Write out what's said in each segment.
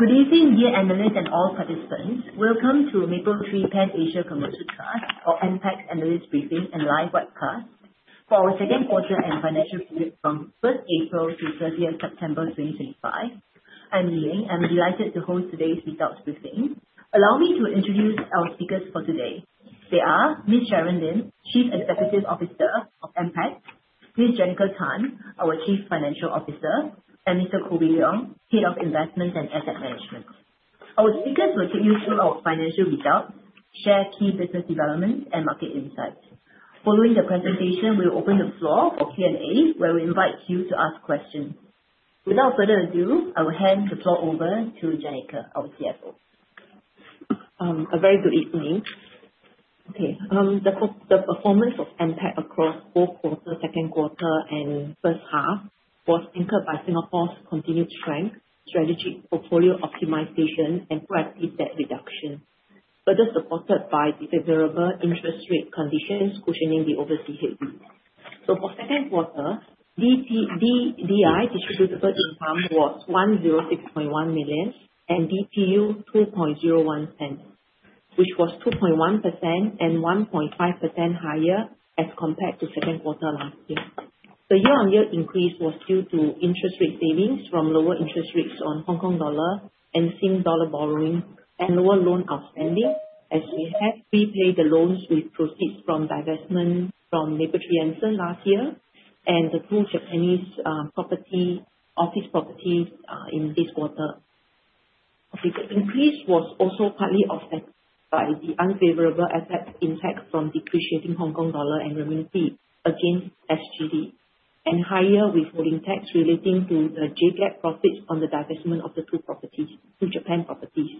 Good evening, dear analysts and all participants. Welcome to Mapletree Pan Asia Commercial Trust, or MPACT analyst briefing and live webcast for our second quarter and financial period from April 1st to September 30th 2025. I'm Li Yeng. I'm delighted to host today's results briefing. Allow me to introduce our speakers for today. They are Ms. Sharon Lim, Chief Executive Officer of MPACT, Ms. Janica Tan, our Chief Financial Officer, and Mr. Koh Wee Leong, Head of Investment and Asset Management. Our speakers will take you through our financial results, share key business developments, and market insights. Following the presentation, we will open the floor for Q&A, where we invite you to ask questions. Without further ado, I will hand the floor over to Janica, our CFO. A very good evening. The performance of MPACT across full quarter, second quarter, and first half was anchored by Singapore's continued strength, strategic portfolio optimization, and proactive debt reduction, further supported by the favorable interest rate conditions cushioning the overseas NPI. For second quarter, DI distributable income was 106.1 million and DPU 0.0201, which was 2.1% and 1.5% higher as compared to second quarter last year. The year-on-year increase was due to interest rate savings from lower interest rates on Hong Kong dollar and Sing dollar borrowing and lower loan outstanding, as we have prepaid the loans with proceeds from divestment from Mapletree Anson last year and the two Japanese property, office properties in this quarter. The increase was also partly offset by the unfavorable effect impact from depreciating HKD and RMB against SGD, Higher withholding tax relating to the J-GAAP profits on the divestment of the two properties, two Japan properties.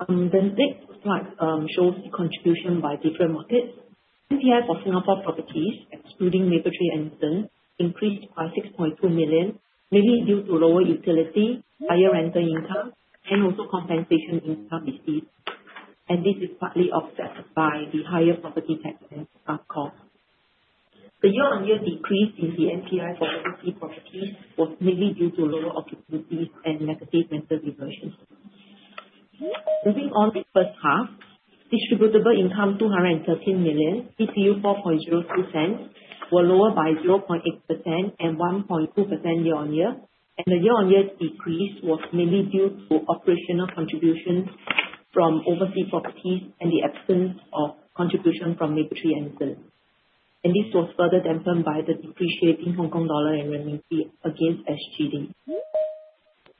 The next slide shows the contribution by different markets. NPI for Singapore properties, excluding Mapletree Anson, increased by 6.2 million, mainly due to lower utility, higher rental income, and also compensation income received. This is partly offset by the higher property tax and ARF cost. The year-over-year decrease in the NPI for overseas properties was mainly due to lower occupancies and negative rental reversion. Moving on to first half, distributable income 213 million, DPU 0.0402, were lower by 0.8% and 1.2% year-on-year. The year-on-year decrease was mainly due to operational contributions from overseas properties and the absence of contribution from Mapletree Anson. This was further dampened by the depreciating HKD and RMB against SGD.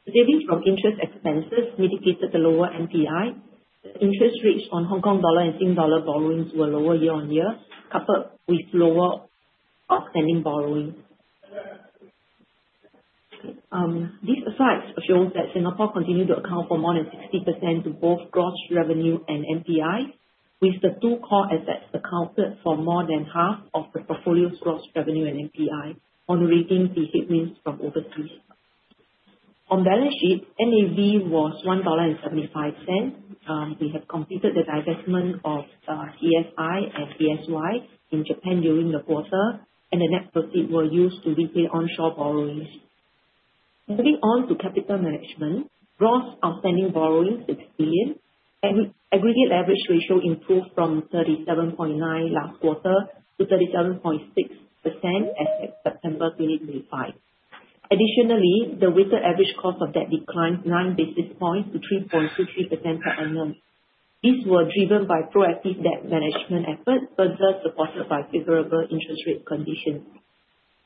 Savings from interest expenses mitigated the lower NPI. The interest rates on HKD and SGD borrowings were lower year-on-year, coupled with lower outstanding borrowing. This slide shows that Singapore continued to account for more than 60% of both gross revenue and NPI, with the two core assets accounted for more than half of the portfolio's gross revenue and NPI, moderating the headwinds from overseas. On balance sheet, NAV was 1.75 dollar. We have completed the divestment of TSI and ASY in Japan during the quarter, and the net proceed were used to repay onshore borrowings. Moving on to capital management, gross outstanding borrowings 6 billion, and aggregate leverage ratio improved from 37.9% last quarter to 37.6% as at September 30, 2025. Additionally, the weighted average cost of debt declined 9 basis points to 3.23% per annum. These were driven by proactive debt management efforts, further supported by favorable interest rate conditions.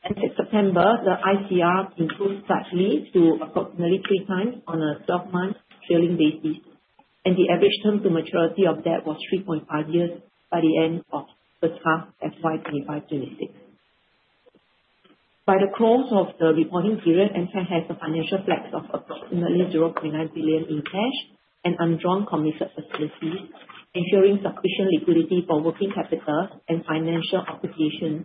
As at September, the ICR improved slightly to approximately 3x on a 12-month trailing basis, and the average term to maturity of debt was 3.5 years by the end of first half FY 2025-2026. By the close of the reporting period, MPACT has a financial flex of approximately 0.9 billion in cash and undrawn committed facilities, ensuring sufficient liquidity for working capital and financial obligations.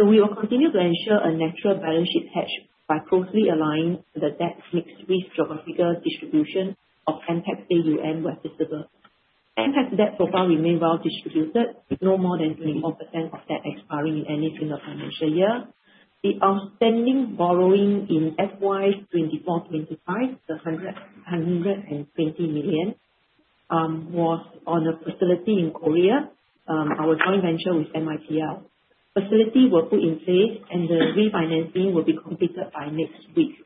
We will continue to ensure a natural balance sheet hedge by closely aligning the debt mix with geographical distribution of MPACT's AUM where possible. MPACT's debt profile remain well distributed, with no more than 24% of debt expiring in any single financial year. The outstanding borrowing in FY 2024, 2025, the 120 million, was on a facility in Korea, our joint venture with MIPL. Facility were put in place, and the refinancing will be completed by next week.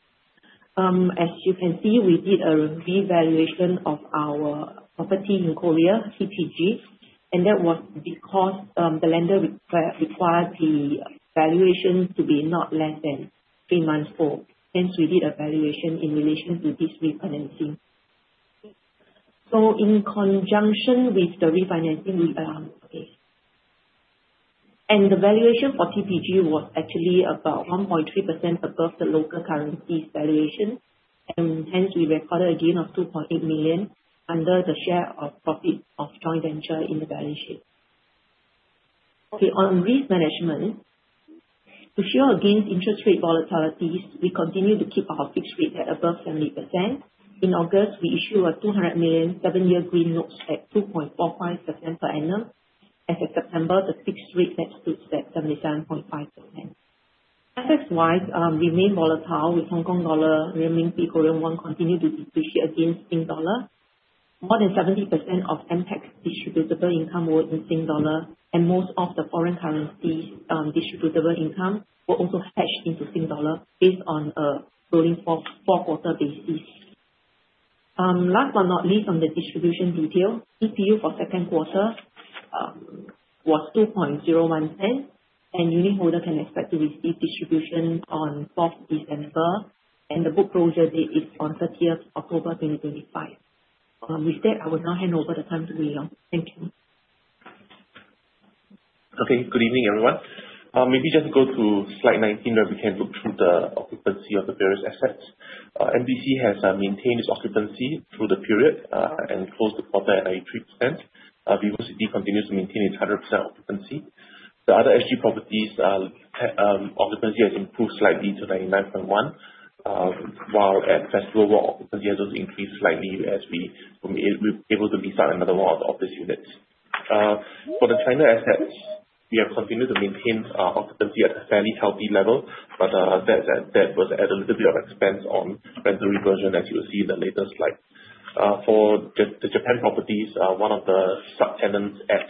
As you can see, we did a revaluation of our property in Korea, TPG, and that was because the lender required the valuations to be not less than three months old. Hence, we did a valuation in relation to this refinancing. In conjunction with the refinancing, we.. The valuation for TPG was actually about 1.3% above the local currency valuation, and hence we recorded a gain of 2.8 million under the share of profit of joint venture in the balance sheet. Okay, on risk management, to shield against interest rate volatilities, we continue to keep our fixed rate at above 70%. In August, we issue a 200 million seven-year green notes at 2.45% per annum. As of September, the fixed rate executes at 79.5%. FX-wise, remain volatile with Hong Kong dollar, renminbi, Korean won continue to depreciate against Singapore dollar. More than 70% of distributable income more in Singapore dollar and most of the foreign currency distributable income will also fetch into Singapore dollar based on a rolling four-quarter basis. Last but not least, on the distribution detail, DPU for second quarter was 0.0201, and unitholder can expect to receive distribution on December 4 and the book closure date is on October 30 2025. With that, I will now hand over the time to Leong. Thank you. Okay. Good evening, everyone. Maybe just go to slide 19, where we can look through the occupancy of the various assets. MBC has maintained its occupancy through the period and closed the quarter at 93%. VivoCity continues to maintain its 100% occupancy. The other SG properties occupancy has improved slightly to 99.1%, while at Festival Walk, occupancy has also increased slightly as we're able to lease out another one of the office units. For the China assets, we have continued to maintain occupancy at a fairly healthy level, but that was at a little bit of expense on rental reversion, as you'll see in the later slide. For the Japan properties, one of the subtenants at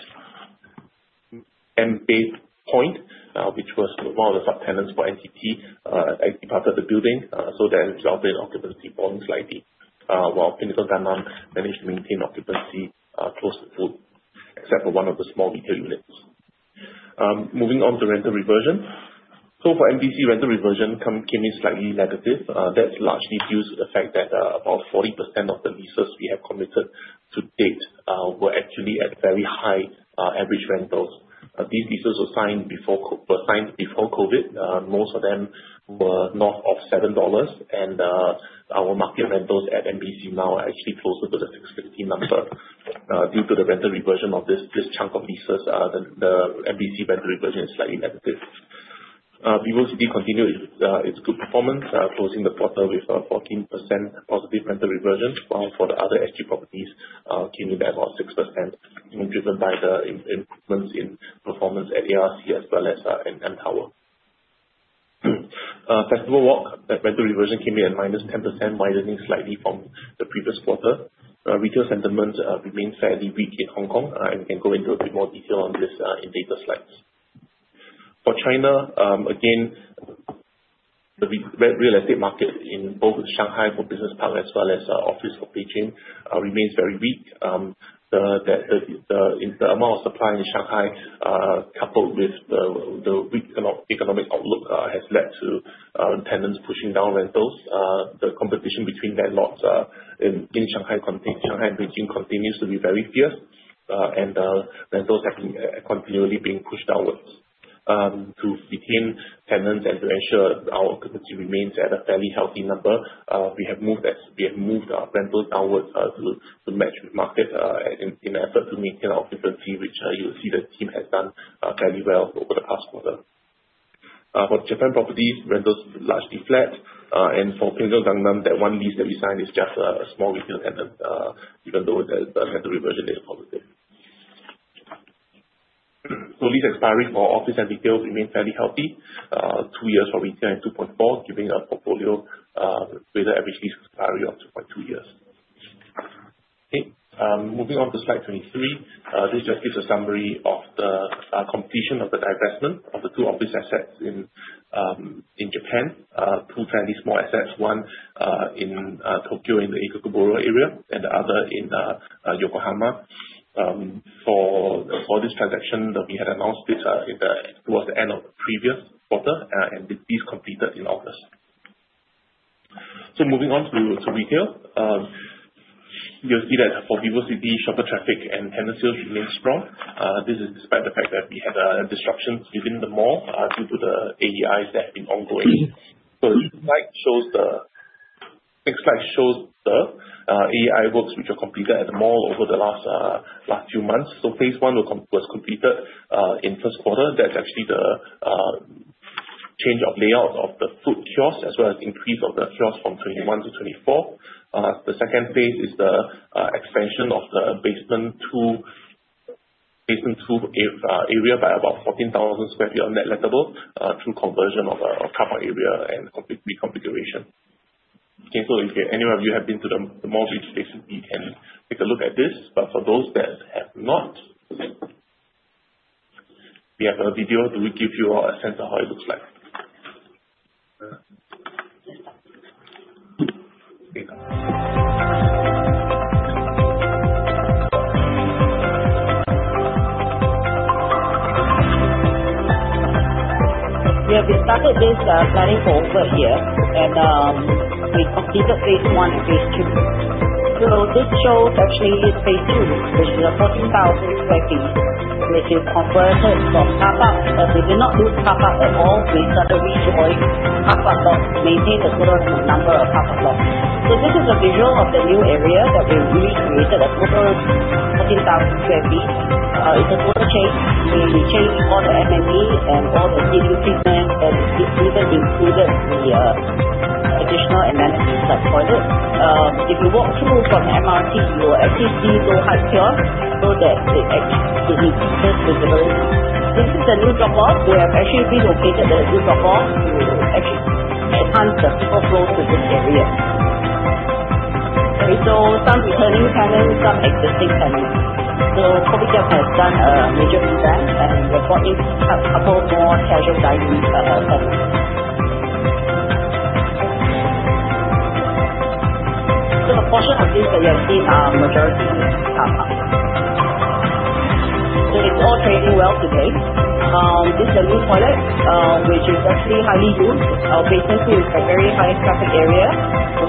mBAY POINT Makuhari, which was one of the subtenants for MPACT, actually departed the building, so there's obviously an occupancy falling slightly, while The Pinnacle Gangnam managed to maintain occupancy close to 2%, except for one of the small retail units. Moving on to rental reversion. For Mapletree Business City, rental reversion came in slightly negative. That's largely due to the fact that about 40% of the leases we have committed to date were actually at very high average rentals. These leases were signed before COVID. Most of them were north of 7 dollars and our market rentals at Mapletree Business City now are actually closer to the 6.50 number. Due to the rental reversion of this chunk of leases, the MBC rental reversion is slightly negative. VivoCity continued its good performance, closing the quarter with 14% positive rental reversion, while for the other SG properties came in about 6% and driven by the improvements in performance at ARC as well as in mTower. Festival Walk, the rental reversion came in at -10%, widening slightly from the previous quarter. Retail sentiments remain fairly weak in Hong Kong and can go into a bit more detail on this in later slides. For China, again, the real estate market in both Shanghai for business park as well as office for Beijing remains very weak. The amount of supply in Shanghai, coupled with the weak economic outlook, has led to tenants pushing down rentals. The competition between landlords in Shanghai and Beijing continues to be very fierce, and rentals are continually being pushed downwards. To retain tenants and to ensure our occupancy remains at a fairly healthy number, we have moved our rentals downwards to match with market in an effort to maintain our occupancy, which you will see the team has done fairly well over the past quarter. For Japan properties, rentals largely flat. And for The Pinnacle Gangnam, that one lease that we signed is just a small retail tenant, even though the rental reversion is positive. Lease expiry for office and retail remain fairly healthy. Two years for retail and 2.4 years giving our portfolio weighted average lease expiry of 2.2 years. Moving on to slide 23. This just gives a summary of the completion of the divestment of the two office assets in Japan. Two fairly small assets, one in Tokyo in the Ikebukuro area and the other in Yokohama. For this transaction that we had announced it in the towards the end of the previous quarter, and this is completed in August. Moving on to retail. You will see that for VivoCity, shopper traffic and tenant sales remains strong. This is despite the fact that we had disruptions within the mall due to the AEIs that have been ongoing. This slide shows the Next slide shows the AEI works which were completed at the mall over the last few months. Phase one was completed in first quarter. That's actually the change of layout of the food kiosks as well as increase of the kiosks from 21-24. The second phase is the expansion of the basement two area by about 14,000 sq ft on net lettable through conversion of car park area and reconfiguration. Okay. If any of you have been to the mall recently, you can take a look at this. For those that have not, we have got a video to give you a sense of how it looks like. We have started this planning for over a year, and we completed phase one and phase two. This shows actually phase two, which is a 14,000 sq ft, which is conversion from car park. We do not use car park at all, we decided to join car park or maintain the total number of car park lot. This is a visual of the new area that we've recreated, a total of 14,000 sq ft. It's a total change. We changed all the F&B and all the seating segments and even included. You walk through from the MRT, you will actually see HarbourFront here so that it is just visible. This is the new drop off. We have actually relocated the new drop off to actually enhance the people flow to this area. Okay. Some returning tenants, some existing tenants. [VivoCity] has done a major revamp, and we have brought in a couple more casual dining tenants. The portion of this that you have seen are majority car parks. It's all trading well today. This is the new toilet, which is actually highly used. Basement two is a very high traffic area.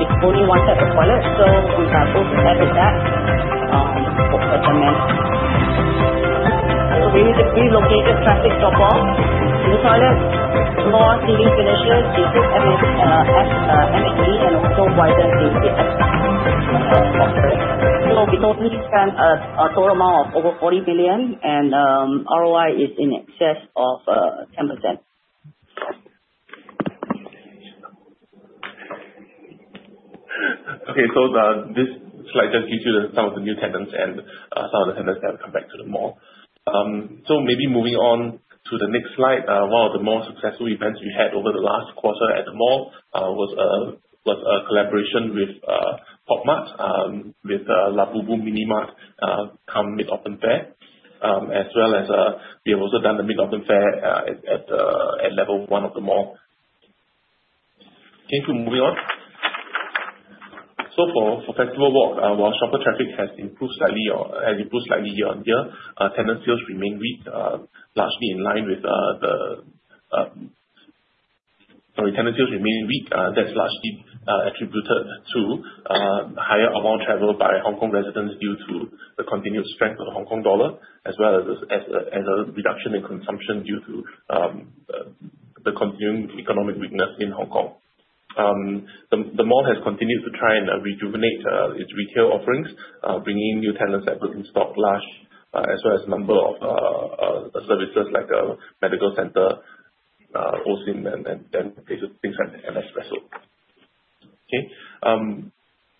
It's only one set of toilet, so we have both a set of that for both the men. Relocated traffic drop off. New toilet. Floor, ceiling finishes improved, added M&E and also widened the exit. We totally spent a total amount of over SGD 40 million, and ROI is in excess of 10%. This slide just gives you some of the new tenants and some of the tenants that have come back to the mall. Maybe moving on to the next slide. One of the more successful events we had over the last quarter at the mall was a collaboration with Pop Mart with Labubu Mini Market cum Mid-Autumn fair, as well as we have also done the Mid-Autumn fair at the level one of the mall. Moving on. For Festival Walk, while shopper traffic has improved slightly year on year, tenant sales remain weak, largely in line with the. Tenant sales remain weak, that's largely attributed to higher amount travel by Hong Kong residents due to the continued strength of the Hong Kong dollar, as well as a reduction in consumption due to the continued economic weakness in Hong Kong. The mall has continued to try and rejuvenate its retail offerings, bringing new tenants like Stocklash, as well as number of services like medical center, HOMES and things like Nespresso.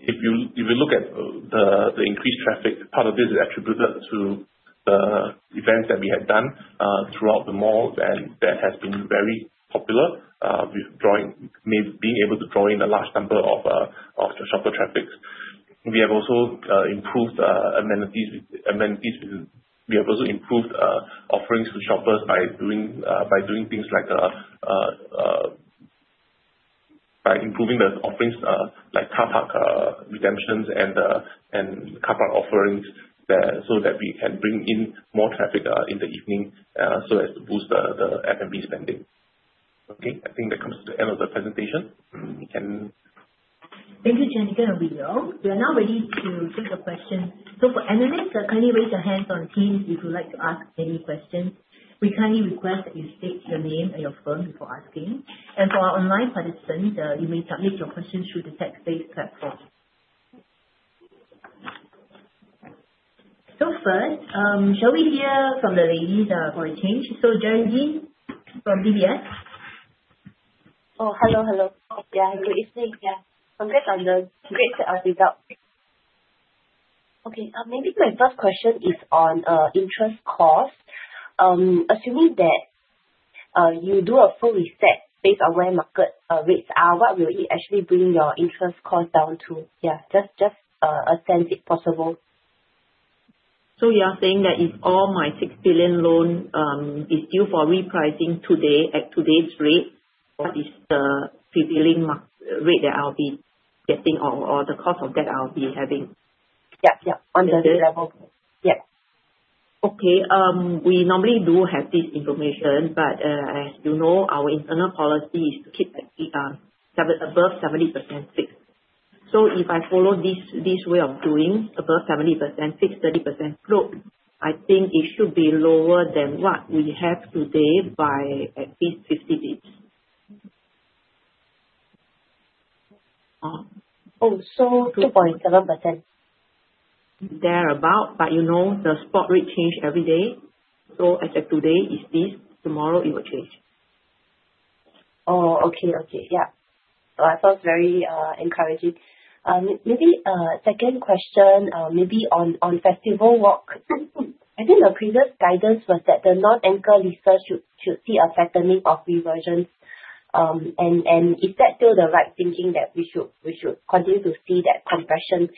If you look at the increased traffic, part of this is attributed to the events that we have done throughout the mall and that has been very popular with being able to draw in a large number of the shopper traffics. We have also improved amenities. We have also improved offerings to shoppers by doing things like by improving the offerings like car park redemptions and car park offerings there so that we can bring in more traffic in the evening so as to boost the F&B spending. Okay. I think that comes to the end of the presentation. Thank you, Janica and Leong. We are now ready to take your questions. For analysts, kindly raise your hands on Teams if you'd like to ask any questions. We kindly request that you state your name and your firm before asking. For our online participants, you may submit your questions through the text-based platform. First, shall we hear from the ladies for a change? Geraldine from DBS? Hello, hello. Good evening. Congrats on the great result. Maybe my first question is on interest costs. Assuming that you do a full reset based on where market rates are, what will it actually bring your interest cost down to? Just a sense if possible. You're saying that if all my 6 billion loan is due for repricing today at today's rate, what is the prevailing rate that I'll be getting or the cost of debt I'll be having? Yeah, yeah. Is it- Level. Yeah. We normally do have this information, but as you know, our internal policy is to keep it above 70% fixed. If I follow this way of doing above 70% fixed, 30% float, I think it should be lower than what we have today by at least 50 basis points. Oh, 2.7%? Thereabout, but you know, the spot rate change every day. As of today it's this, tomorrow it will change. Oh, okay. Okay. Yeah, that's very encouraging. Maybe second question, maybe on Festival Walk. I think your previous guidance was that the non-anchor leases should see a flattening of reversions. Is that still the right thinking that we should continue to see that compression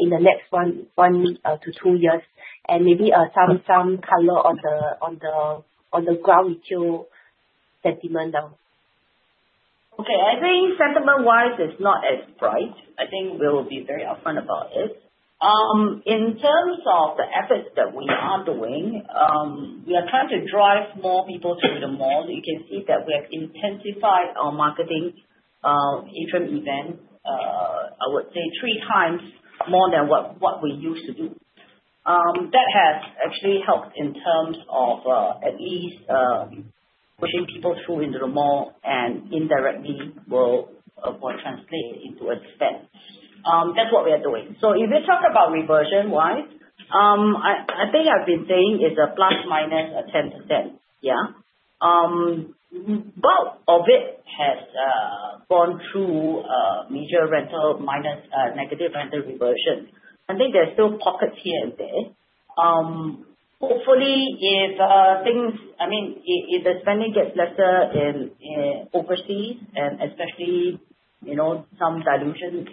in the next one to two years? Maybe some color on the ground retail sentiment now. Okay. I think sentiment-wise it's not as bright. I think we'll be very upfront about it. In terms of the efforts that we are doing, we are trying to drive more people through the mall. You can see that we have intensified our marketing, in-store event, I would say 3x more than what we used to do. That has actually helped in terms of, at least, pushing people through into the mall and indirectly will translate into a spend. That's what we are doing. If you talk about reversion-wise, I think I've been saying it's ±10%. Of it has gone through major rental minus negative rental reversion. I think there are still pockets here and there. Hopefully if, I mean, if the spending gets lesser in overseas and especially, you know, some dilution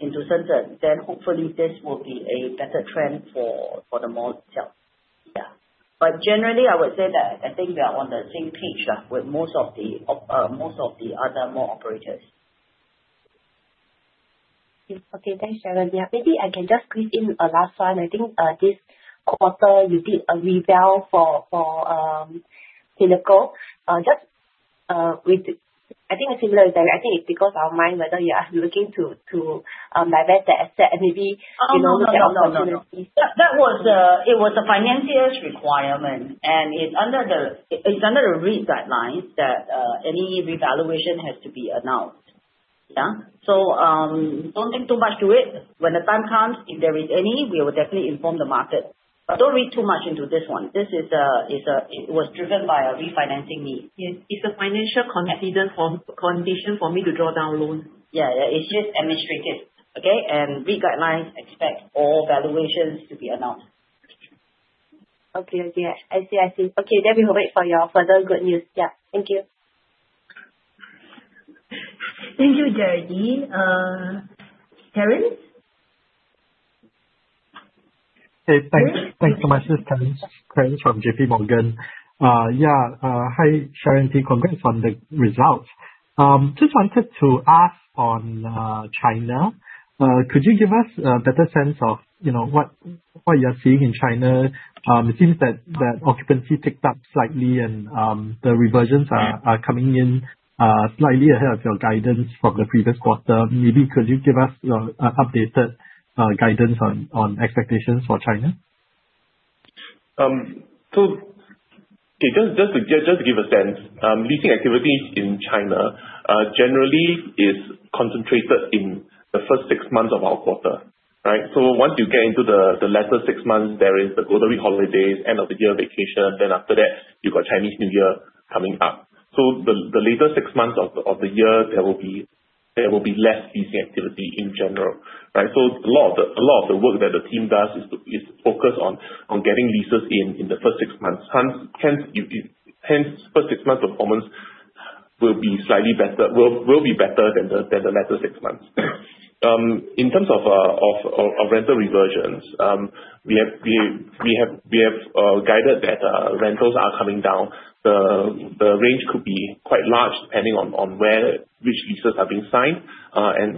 into centers, then hopefully this will be a better trend for the malls itself. Yeah. Generally, I would say that I think we are on the same page now with most of the other mall operators. Yes. Okay. Thanks, Sharon. Yeah. Maybe I can just squeeze in a last one. I think, this quarter you did a reval for, inaudible. just, with I think a similar area, I think it's because our mind whether you are, you're looking to, divest that asset. Oh, no, no. You know, look at opportunities. That was, it was a financier's requirement, and it's under the REIT guidelines that any revaluation has to be announced. Yeah. Don't think too much to it. When the time comes, if there is any, we will definitely inform the market. Don't read too much into this one. This is, it was driven by a refinancing need. Yes. It's a financial condition for me to draw down loan. Yeah, yeah. It's just administrative. Okay? REIT guidelines expect all valuations to be announced. Okay. Okay. I see. I see. Okay. We will wait for your further good news. Yeah. Thank you. Thank you, Geraldine. Terence? Hey, thanks. Thanks so much. Terence from JPMorgan. Yeah. Hi, Sharon. Congrats on the results. Just wanted to ask on China. Could you give us a better sense of, you know, what you're seeing in China? It seems that occupancy ticked up slightly and the reversions are coming in slightly ahead of your guidance from the previous quarter. Maybe could you give us your updated guidance on expectations for China? Just to give a sense, leasing activities in China, generally is concentrated in the first six months of our quarter, right? once you get into the latter six months, there is the inaudible holidays, end of the year vacation, after that you've got Chinese New Year coming up. the later six months of the year, there will be less leasing activity in general, right? a lot of the work that the team does is focused on getting leases in the first six months. Hence first six months performance will be slightly better, will be better than the latter six months. In terms of rental reversions, we have guided that rentals are coming down. The range could be quite large depending on where which leases have been signed.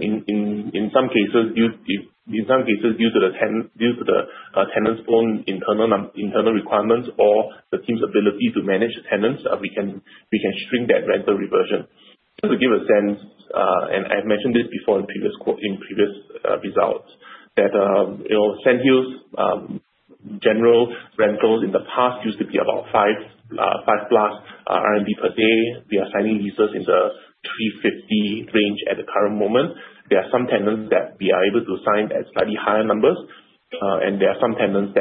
In some cases due to the tenants own internal requirements or the team's ability to manage the tenants, we can shrink that rental reversion. Just to give a sense, I've mentioned this before in previous results, that, you know, Sandhill general rentals in the past used to be about 5+ RMB per day. We are signing leases in the 350 range at the current moment. There are some tenants that we are able to sign at slightly higher numbers, and there are some tenants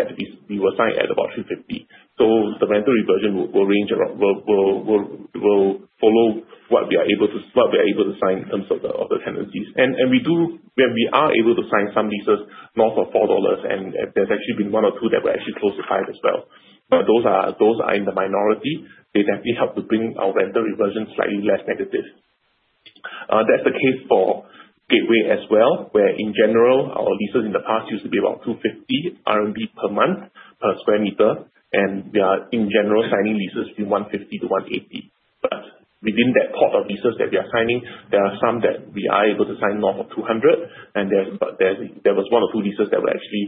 we will sign at about 3.50. The rental reversion will range around, will follow what we are able to sign in terms of the tenancies. We are able to sign some leases north of 4.00 dollars and there's actually been one or two that were actually close to 5.00 as well. Those are in the minority. They definitely help to bring our rental reversion slightly less negative. That's the case for Gateway was well, where in general our leases in the past used to be about 250 RMB per month per square meter, and we are in general signing leases between 150-180. Within that pool of leases that we are signing, there are some that we are able to sign north of 200, and there was one or two leases that were actually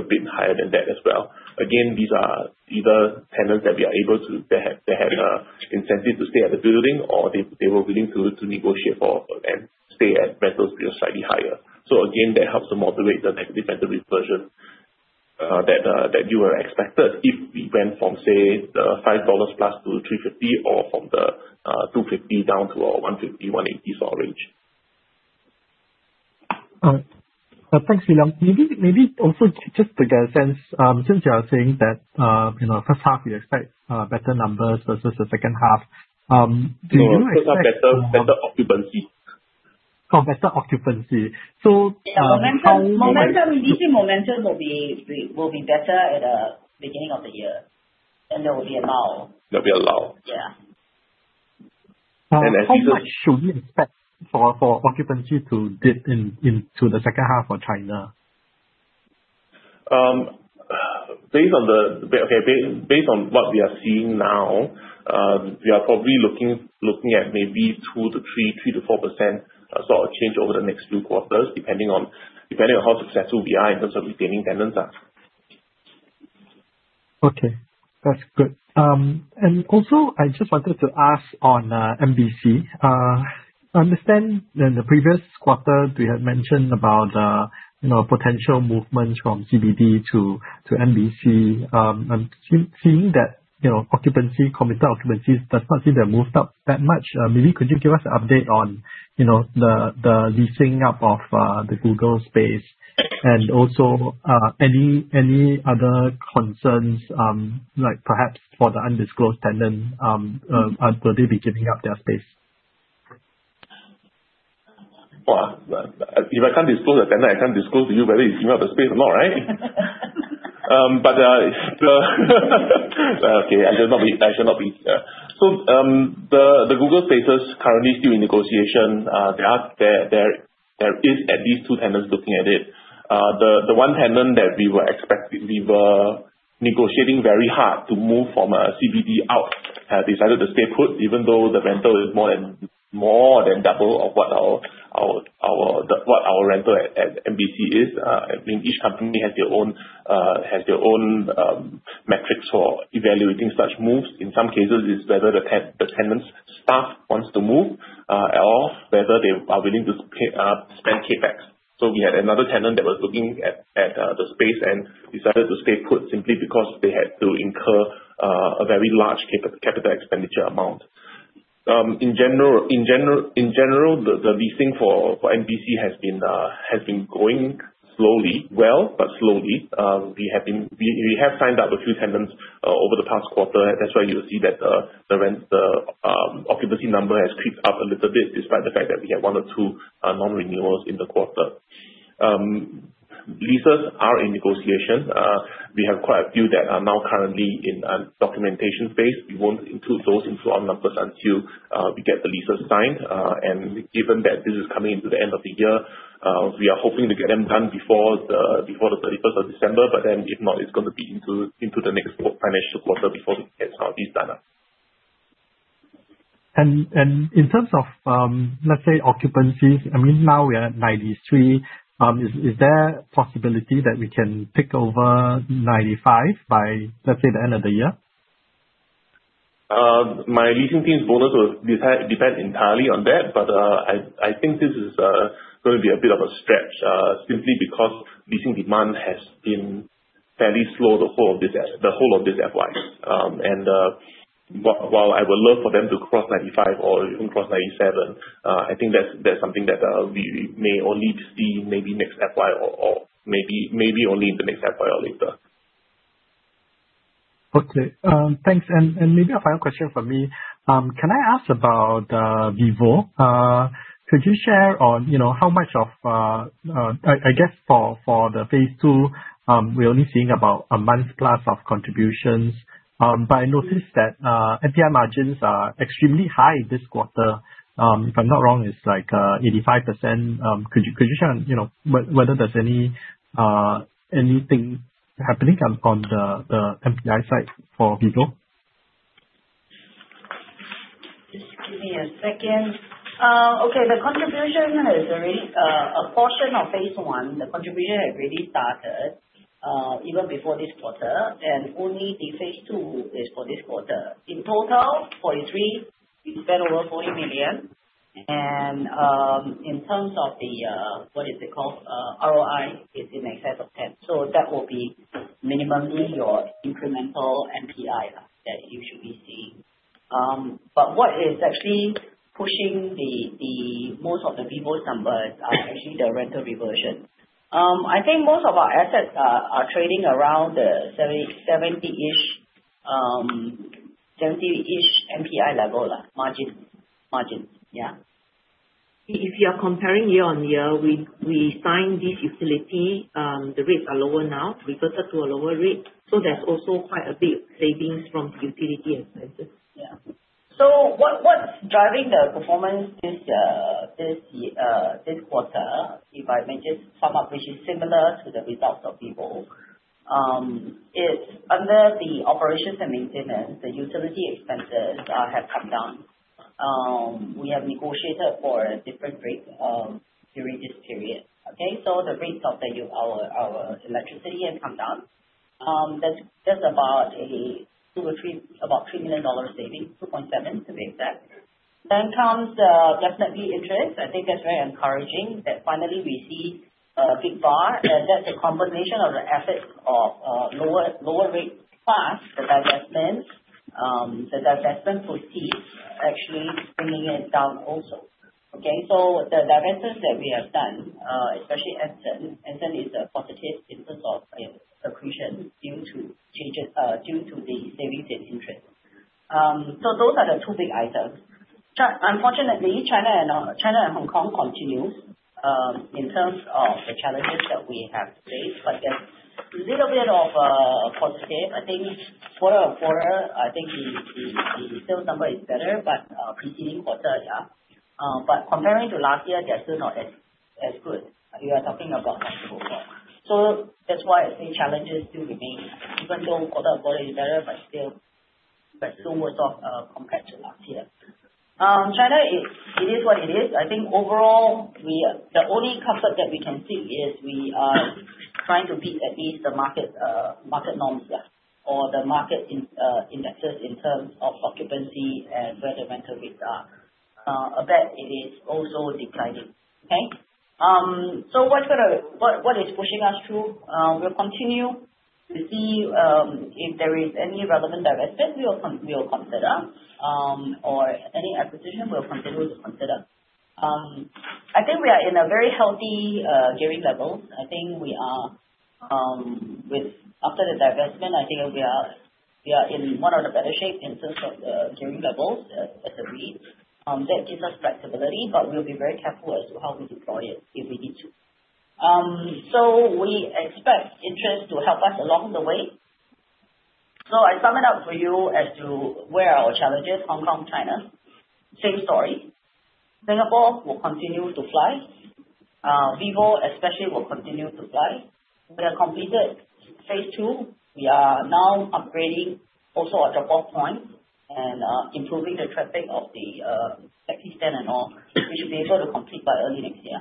a bit higher than that as well. Again, these are either tenants that we are able to They had incentive to stay at the building or they were willing to negotiate for and stay at rentals that are slightly higher. Again, that helps to moderate the negative rental reversion that you were expected if we went from, say, 5+ dollars to 3.50 or from the 2.50 down to 1.50-1.80 sort of range. Thanks, Leong. Maybe also just to get a sense, since you are saying that, you know, first half you expect better numbers versus the second half, do you expect. No. First half better occupancy. Oh, better occupancy. Yeah. Momentum in MBC, momentum will be better at the beginning of the year than there will be a low. There'll be a low. Yeah. How much should we expect for occupancy to dip into the second half for China? Based on what we are seeing now, we are probably looking at maybe 2%-3%, 3%-4% sort of change over the next few quarters, depending on how successful we are in terms of retaining tenants now. Okay. That's good. Also, I just wanted to ask on Mapletree Business City. I understand in the previous quarter you had mentioned about, you know, potential movement from CBD to Mapletree Business City. I'm seeing that, you know, occupancy, committed occupancies, does not seem to have moved up that much. Maybe could you give us an update on, you know, the leasing up of the Google space and also, any other concerns, like perhaps for the undisclosed tenant, will they be giving up their space? Well, if I can't disclose the tenant, I can't disclose to you whether he's giving up the space or not, right? The Google space is currently still in negotiation. There is at least two tenants looking at it. The one tenant that we were negotiating very hard to move from CBD out, has decided to stay put even though the rental is more than double of what our rental at MBC is. I mean, each company has their own metrics for evaluating such moves. In some cases, it's whether the tenant's staff wants to move or whether they are willing to pay spend CapEx. We had another tenant that was looking at the space and decided to stay put simply because they had to incur a very large capital expenditure amount. In general, the leasing for MBC has been going slowly. Well, slowly. We have signed up a few tenants over the past quarter. That's why you'll see that the rent occupancy number has creeped up a little bit despite the fact that we had one or two non-renewals in the quarter. Leases are in negotiation. We have quite a few that are now currently in documentation phase. We won't include those into our numbers until we get the leases signed. Given that this is coming into the end of the year, we are hoping to get them done before December 31st. If not, it's gonna be into the next financial quarter before it gets these done up. In terms of, let's say occupancies, I mean, now we are at 93%. Is there a possibility that we can tick over 95% by, let's say, the end of the year? My leasing team's bonus will depend entirely on that. I think this is going to be a bit of a stretch simply because leasing demand has been fairly slow the whole of this FY. While I would love for them to cross 95% or even cross 97%, I think that's something that we may only see maybe next FY or maybe only in the next FY or later. Okay. Thanks. Maybe a final question from me. Can I ask about Vivo? Could you share on, you know, how much of I guess for the phase two, we're only seeing about a month plus of contributions. I noticed that NPI margins are extremely high this quarter. If I'm not wrong, it's like 85%. Could you share on, you know, whether there's any anything happening on the NPI side for Vivo? Just give me a second. Okay, the contribution is a very, a portion of phase one. The contribution had already started, even before this quarter, only the phase two is for this quarter. In total, 43, we spent over 40 million. In terms of the, what is it called? ROI is in excess of 10%. That will be minimally your incremental NPI that you should be seeing. What is actually pushing the most of the VivoCity numbers are actually the rental reversion. I think most of our assets are trading around the 70%-ish, 70%-ish NPI level, margin. Yeah. If you are comparing year on year, we signed this utility, the rates are lower now. We got it to a lower rate, so that's also quite a bit savings from utility expenses. Yeah. What, what's driving the performance this quarter, if I may just sum up, which is similar to the results of Vivo, it's under the operations and maintenance, the utility expenses have come down. We have negotiated for a different rate during this period. Okay? The rates of our electricity has come down. That's about a 2 million or 3 million, about 3 million dollars saving, 2.7 million, to be exact. Comes the net property interest. I think that's very encouraging that finally we see a big bar. That's a combination of the efforts of lower rate plus the divestments. The divestment proceeds actually bringing it down also. Okay? The divestments that we have done, especially Anson. Anson is a positive in terms of, you know, accretion due to changes, due to the savings in interest. Those are the two big items. Unfortunately, China and China and Hong Kong continues in terms of the challenges that we have faced. There's a little bit of a positive. I think quarter-on-quarter, I think the sales number is better, preceding quarter, yeah. Comparing to last year, they're still not as good. We are talking about like before. That's why I say challenges still remain, even though quarter-on-quarter is better but still worse off, compared to last year. China, it is what it is. I think overall we are the only comfort that we can seek is we are trying to beat at least the market norms. Or the market in indexes in terms of occupancy and where the rental rates are. It is also declining. What is pushing us through? We'll continue to see, if there is any relevant divestment we will consider, or any acquisition we'll continue to consider. I think we are in a very healthy gearing level. I think we are, with After the divestment, I think we are, we are in one of the better shape in terms of gearing levels, as a REIT. That gives us flexibility, we'll be very careful as to how we deploy it if we need to. We expect interest to help us along the way. I sum it up for you as to where are our challenges, Hong Kong, China. Same story. Singapore will continue to fly. VivoCity especially will continue to fly. We have completed phase two. We are now upgrading also our drop-off point and improving the traffic of the taxi stand and all. We should be able to complete by early next year.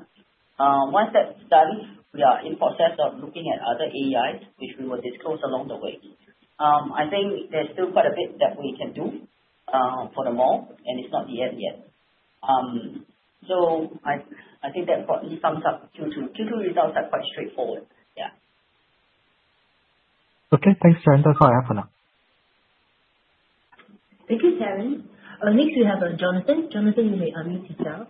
Once that's done, we are in process of looking at other AEIs which we will disclose along the way. I think there's still quite a bit that we can do for the mall and it's not the end yet. I think that broadly sums up Q2. Q2 results are quite straightforward. Yeah. Okay, thanks, Sharon and team. Call open up. Thank you, Terry. Next we have Jonathan. Jonathan, you may unmute yourself.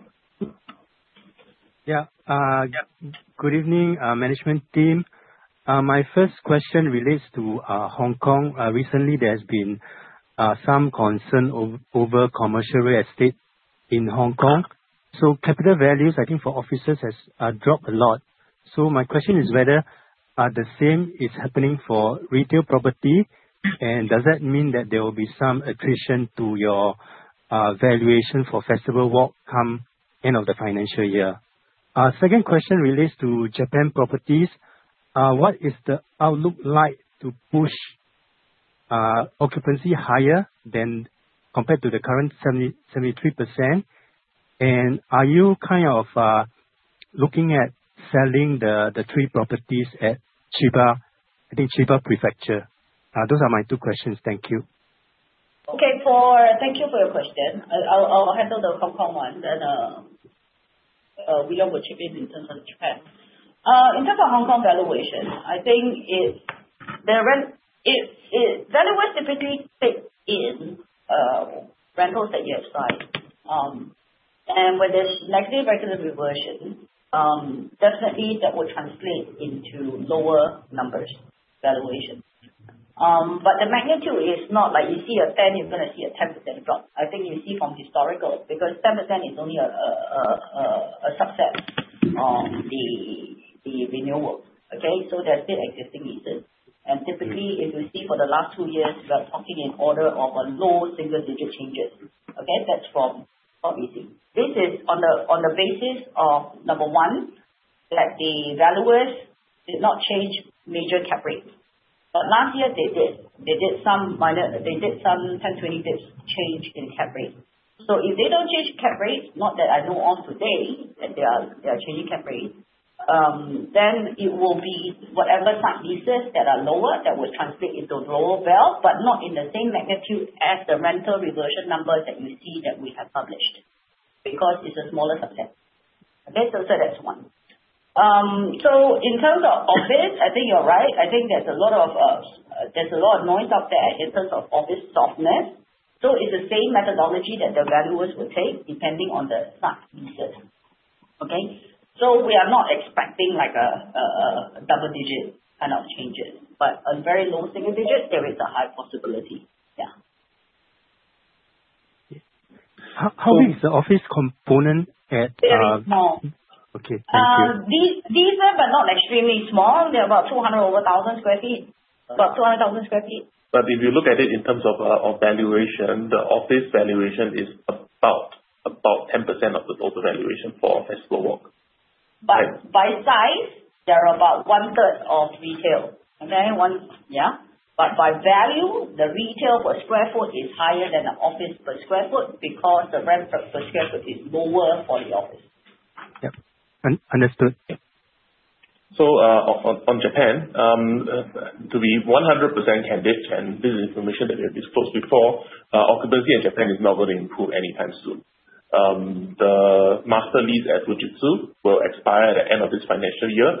Good evening, management team. My first question relates to Hong Kong. Recently there has been some concern over commercial real estate in Hong Kong. Capital values, I think for offices has dropped a lot. My question is whether the same is happening for retail property, and does that mean that there will be some attrition to your valuation for Festival Walk come end of the financial year? Second question relates to Japan properties. What is the outlook like to push occupancy higher than compared to the current 73%? Are you kind of looking at selling the three properties at Chiba, I think Chiba prefecture? Those are my two questions. Thank you. Okay. Thank you for your question. I'll handle the Hong Kong one. Leong will chip in terms of Japan. In terms of Hong Kong valuation, I think it's the rent. Valuers typically take in rentals that you have signed. When there's negative regular reversion, definitely that will translate into lower numbers valuation. The magnitude is not like you're gonna see a 10% drop. I think you see from historical, because 10% is only a subset of the renewal. Okay? There are still existing leases. Typically, if you see for the last two years, we are talking in order of a low single-digit changes. Okay? That's from what we see. This is on the basis of, number one, that the valuers did not change major cap rates. Last year they did. They did some minor 10, 20 bits change in cap rate. If they don't change cap rates, not that I know of today that they are changing cap rates, then it will be whatever sub-leases that are lower that will translate into lower val, but not in the same magnitude as the rental reversion numbers that you see that we have published, because it's a smaller subset. Okay. So that's one. In terms of office, I think you're right. I think there's a lot of noise out there in terms of office softness. It's the same methodology that the valuers will take depending on the sub-leases. Okay. We are not expecting like a double digit kind of changes, but a very low single digit, there is a high possibility. Yeah. Yeah. How is the office component at? Very small. Okay. Thank you. These levels are not extremely small. They're about 200 over thousand sq ft, about 200,000 sq ft. If you look at it in terms of valuation, the office valuation is about 10% of the total valuation for Festival Walk. By size, they're about one third of retail. Okay? One Yeah. By value, the retail per square foot is higher than the office per square foot because the rent per square foot is lower for the office. Yep. Understood. On Japan, to be 100% candid, and this is information that we have disclosed before, occupancy in Japan is not going to improve anytime soon. The master lease at Fujitsu will expire at the end of this financial year.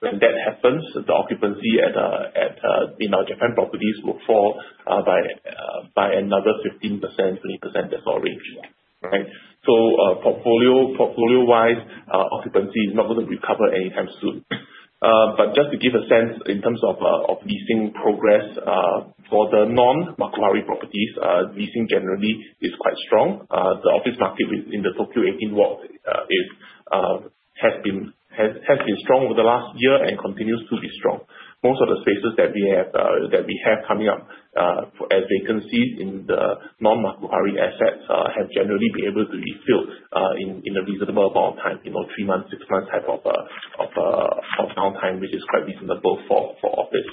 When that happens, the occupancy in our Japan properties will fall by another 15%-20%, that sort of range, right? Portfolio-wise, occupancy is not gonna recover anytime soon. Just to give a sense in terms of leasing progress for the non-Makuhari properties, leasing generally is quite strong. The office market in the Tokyo 18 wards has been strong over the last year and continues to be strong. Most of the spaces that we have that we have coming up as vacancies in the non-Makuhari assets have generally been able to be filled in in a reasonable amount of time, you know, three months, six months type of downtime, which is quite reasonable for for office.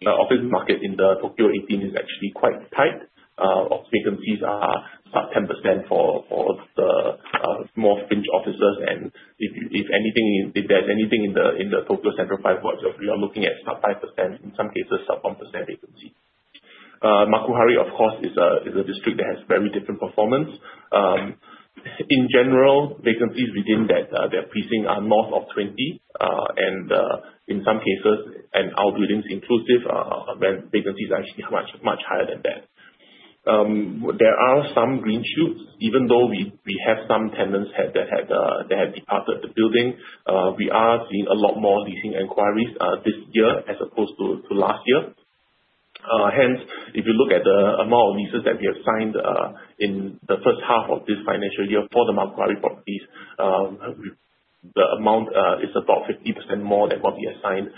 The office market in the Tokyo 18 is actually quite tight. Vacancies are about 10% for the more fringe offices and if anything, if there's anything in the Tokyo Central five wards, we are looking at sub-5%, in some cases sub-1% vacancy. Makuhari, of course, is a district that has very different performance. In general, vacancies within that, their precinct are north of 20, and in some cases, and our buildings inclusive are where vacancy is actually much, much higher than that. There are some green shoots, even though we have some tenants that have departed the building. We are seeing a lot more leasing inquiries this year as opposed to last year. Hence, if you look at the amount of leases that we have signed in the first half of this financial year for the Makuhari properties, the amount is about 50% more than what we have signed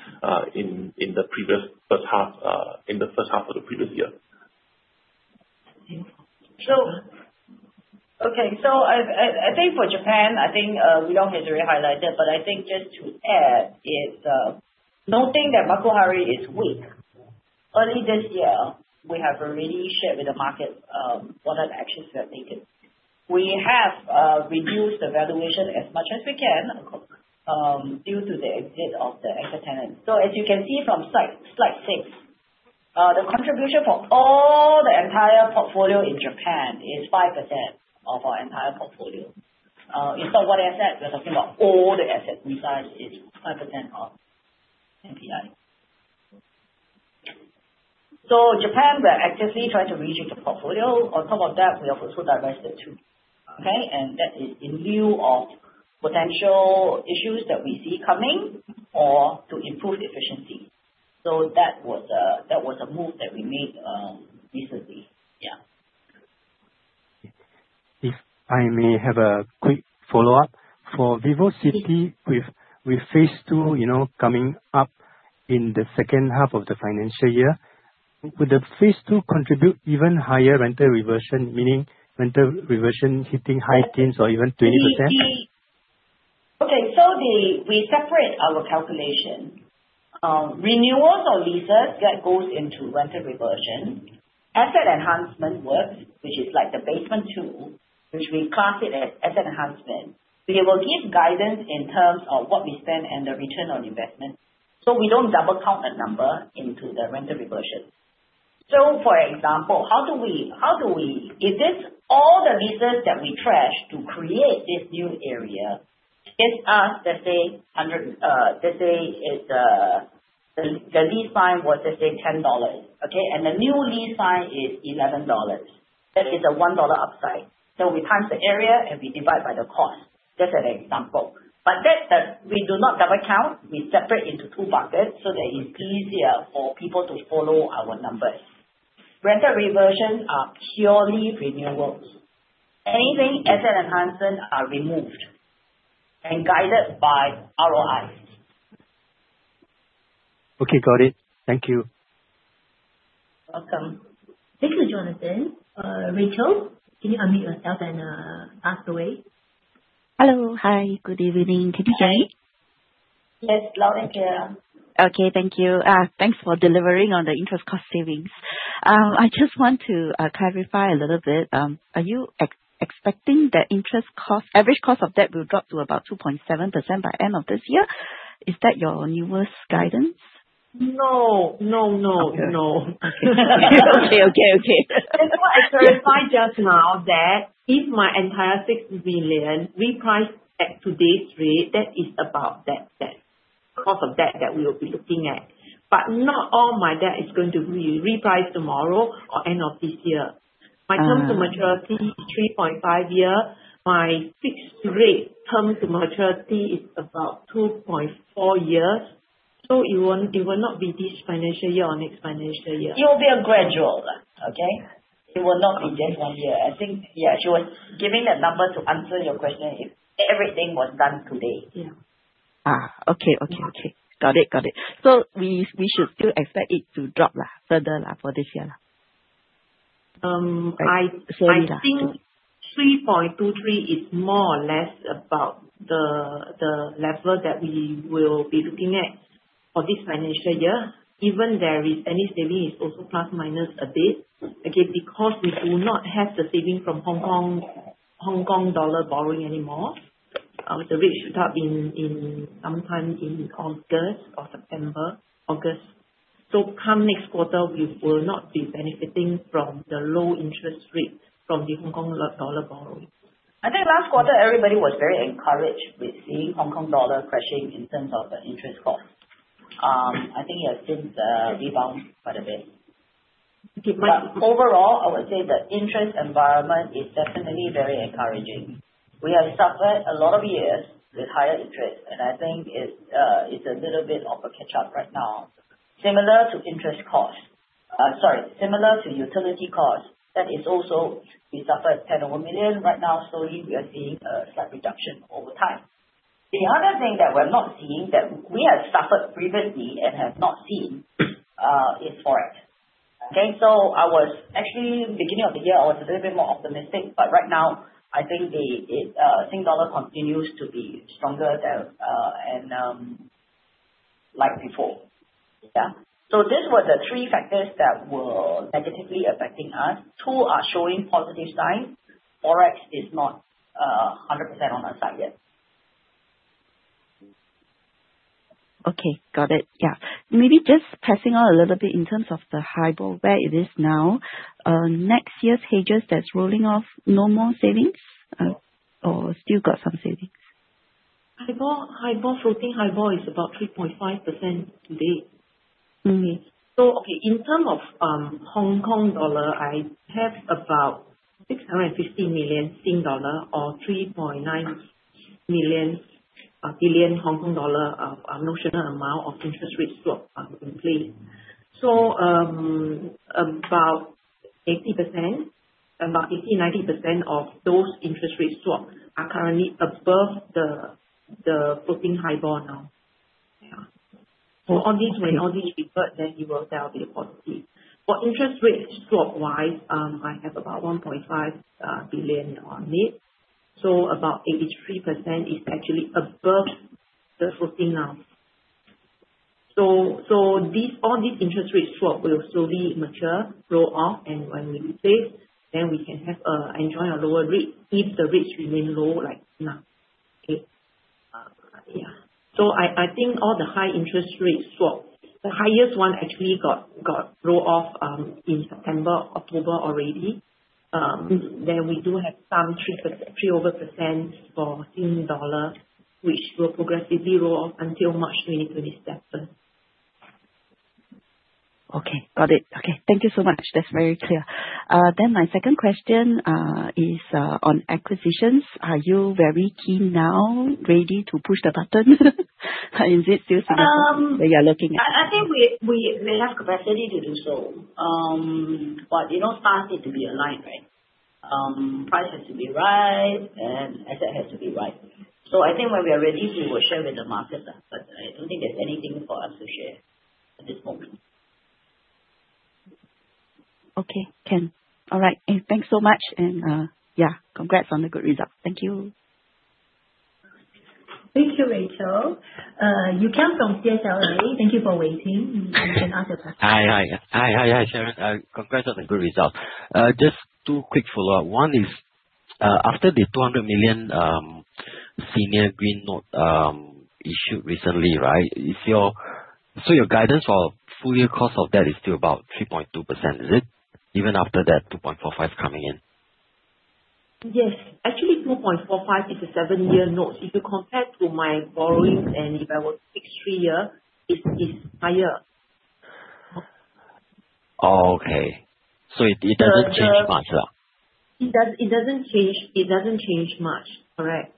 in the previous first half, in the first half of the previous year. I think for Japan, we don't need to re-highlight it, but just to add is noting that Makuhari is weak. Early this year, we have already shared with the market what are the actions we have taken. We have reduced the valuation as much as we can due to the exit of the extra tenant. As you can see from slide six, the contribution for all the entire portfolio in Japan is 5% of our entire portfolio. Instead of one asset, we are talking about all the asset we signed is 5% of NPI. Japan, we are actively trying to reduce the portfolio. On top of that, we have also divested too. That is in lieu of potential issues that we see coming or to improve efficiency. That was a move that we made recently. Yeah. If I may have a quick follow-up. For VivoCity, with phase two, you know, coming up in the second half of the financial year, would the phase two contribute even higher rental reversion, meaning rental reversion hitting high teens or even 20%? Okay, we separate our calculation. Renewals or leases that goes into rental reversion. Asset enhancement works, which is like the basement two, which we class it as asset enhancement. We will give guidance in terms of what we spend and the ROI. We don't double count that number into the rental reversion. For example, how do we all the leases that we trashed to create this new area, if ask, let's say 100, let's say it's the lease sign was, let's say 10 dollars, okay? The new lease sign is 11 dollars. That is a 1 dollar upside. We times the area, and we divide by the cost. Just an example. That we do not double count. We separate into two buckets so that it's easier for people to follow our numbers. Rental reversions are purely renewables. Anything asset enhancement are removed and guided by ROIs. Okay, got it. Thank you. Welcome. Thank you, Jonathan. Rachel, can you unmute yourself and ask away? Hello. Hi, good evening. Can you hear me? Yes, loud and clear. Okay, thank you. Thanks for delivering on the interest cost savings. I just want to clarify a little bit. Are you expecting the interest cost, average cost of debt will drop to about 2.7% by end of this year? Is that your newest guidance? No. No, no. Okay. Okay. Okay. Okay. That's why I clarified just now that if my entire 6 billion reprice at today's rate, that is about that debt, cost of debt that we will be looking at. Not all my debt is going to reprice tomorrow or end of this year. My term to maturity, 3.5 years. My fixed rate term to maturity is about 2.4 years. It will not be this financial year or next financial year. It will be a gradual, okay? It will not be just one year. I think, yeah, she was giving that number to answer your question if everything was done today. Yeah. Okay. Okay. Okay. Got it. Got it. We should still expect it to drop further for this year. Um, I- Sorry to ask you. I think 3.23% is more or less about the level that we will be looking at for this financial year. Even there is any saving is also plus minus a bit. Okay, because we do not have the saving from Hong Kong dollar borrowing anymore, which should start in sometime in August or September. August. Come next quarter, we will not be benefiting from the low interest rate from the Hong Kong dollar borrowing. I think last quarter everybody was very encouraged with seeing Hong Kong dollar crashing in terms of the interest cost. I think it has since rebound quite a bit. Okay. Overall, I would say the interest environment is definitely very encouraging. We have suffered a lot of years with higher interest, and I think it's a little bit of a catch-up right now. Similar to interest costs, similar to utility costs, that is also, we suffered 10 million right now. Slowly we are seeing a slight reduction over time. The other thing that we're not seeing that we have suffered previously and have not seen is Forex. I was actually, beginning of the year, I was a little bit more optimistic, but right now I think the Sing dollar continues to be stronger than and like before. These were the three factors that were negatively affecting us. Two are showing positive signs. Forex is not 100% on our side yet. Okay. Got it. Yeah. Maybe just passing on a little bit in terms of the HIBOR, where it is now. Next year, hedges that is rolling off, no more savings? Still got some savings? HIBOR, floating HIBOR is about 3.5% today. In term of Hong Kong dollar, I have about 650 million Sing dollar or 3.9 billion Hong Kong dollar notional amount of interest rate swap in play. About 80%-90% of those interest rate swap are currently above the floating HIBOR now. On this, when all this revert, then you will see how they proceed. Interest rate swap-wise, I have about 1.5 billion on this, so about 83% is actually above the floating now. All these interest rate swap will slowly mature, roll off, and when we repay, then we can enjoy a lower rate if the rates remain low like now. I think all the high interest rate swap, the highest one actually got roll off in September, October already. We do have some 3%, 3% over percent for SGD, which will progressively roll off until March, maybe to December. Okay. Got it. Okay. Thank you so much. That's very clear. My second question is on acquisitions. Are you very keen now, ready to push the button? Is it still? Um- Where you're looking at? I think we have capacity to do so. You know, stars need to be aligned, right? Price has to be right and asset has to be right. I think when we are ready, we will share with the market, but I don't think there's anything for us to share at this moment. Okay. Can. All right. Thanks so much. Yeah, congrats on the good results. Thank you. Thank you, Rachel. Yew Kiang from CLSA, thank you for waiting. You can ask your question. Hi. Hi. Hi. Hi, Sharon. Congrats on the good result. Just two quick follow-up. One is, after the 200 million senior green note issued recently, right, is your guidance for full year cost of debt still about 3.2%, is it, even after that 2.45% coming in? Yes. Actually, 2.45% is a seven-year note. If you compare to my borrowings and if I were to fix three-year, it's higher. Oh, okay. The, the- change much, yeah? It does, it doesn't change much. Correct.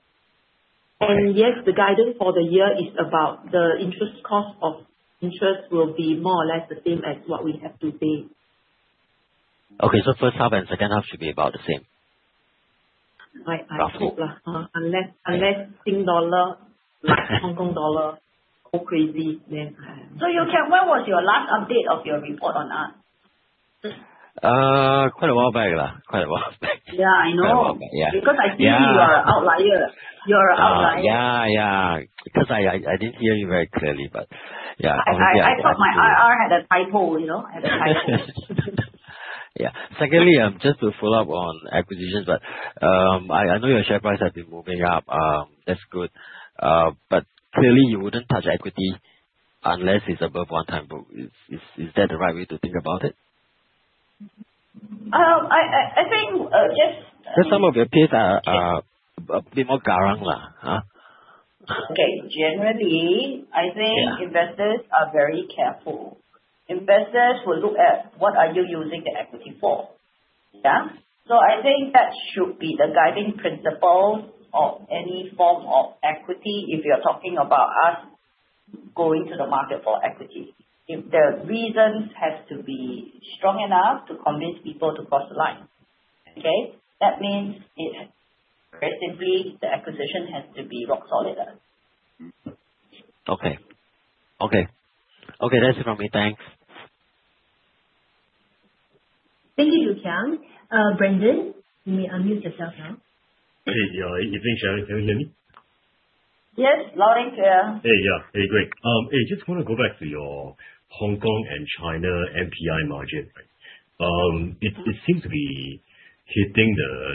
Okay. Yes, the guidance for the year is about the interest cost of interest will be more or less the same as what we have today. Okay. First half and second half should be about the same. Right. Roughly. I hope, unless Sing dollar-Hong Kong dollar go crazy, then. Yew Kiang, when was your last update of your report on us? Quite a while back. Yeah, I know. Yeah. Yeah. I see you are a outlier. You are a outlier. Yeah. Yeah. Because I didn't hear you very clearly, but yeah. I thought my IR had a typo, you know. Had a typo. Yeah. Secondly, just to follow up on acquisitions, but I know your share price has been moving up. That's good. Clearly you wouldn't touch equity unless it's above one time, but is that the right way to think about it? I think, yes. Some of your peers are a bit more garang? Okay. Yeah. I think investors are very careful. Investors will look at what are you using the equity for. Yeah? I think that should be the guiding principle of any form of equity if you're talking about us going to the market for equity. If the reasons have to be strong enough to convince people to cross the line. Okay? That means, creatively, the acquisition has to be rock solid. Okay. Okay. Okay, that's it from me. Thanks. Thank you, Yew Kiang. Brendan, you may unmute yourself now. Hey, evening, Sharon. Can you hear me? Yes, loud and clear. Hey, yeah. Hey, great. Just wanna go back to your Hong Kong and China NPI margin. It seems to be hitting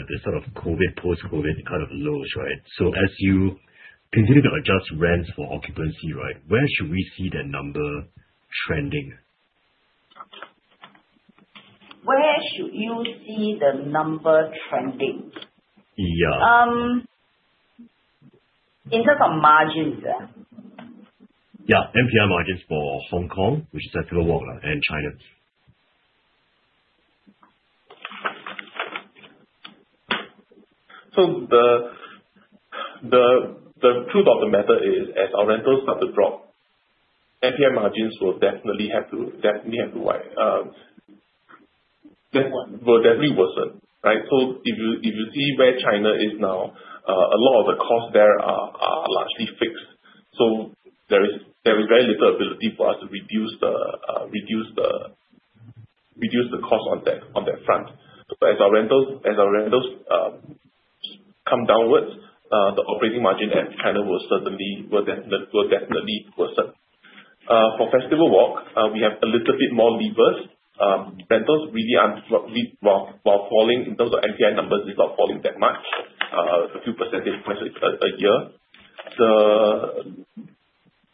the sort of COVID, post-COVID kind of lows, right? As you continue to adjust rents for occupancy, right, where should we see that number trending? Where should you see the number trending? Yeah. In terms of margins, yeah? Yeah. NPI margins for Hong Kong, which is Festival Walk, and China. The truth of the matter is, as our rentals start to drop, NPI margins will definitely worsen, right. If you see where China is now, a lot of the costs there are largely fixed. There is very little ability for us to reduce the cost on that front. As our rentals come downwards, the operating margin in China will certainly definitely worsen. For Festival Walk, we have a little bit more levers. Rentals really aren't well, while falling in terms of NPI numbers, it's not falling that much, a few percentage points a year.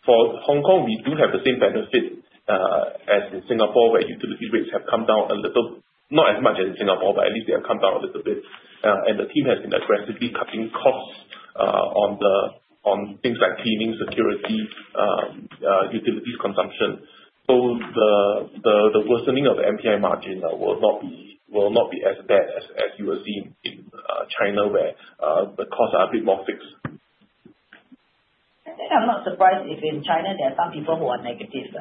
For Hong Kong, we do have the same benefit as in Singapore where utility rates have come down a little, not as much as Singapore, but at least they have come down a little bit. The team has been aggressively cutting costs on things like cleaning, security, utilities consumption. The worsening of the NPI margin will not be as bad as you will see in China where the costs are a bit more fixed. I think I'm not surprised if in China there are some people who are negative.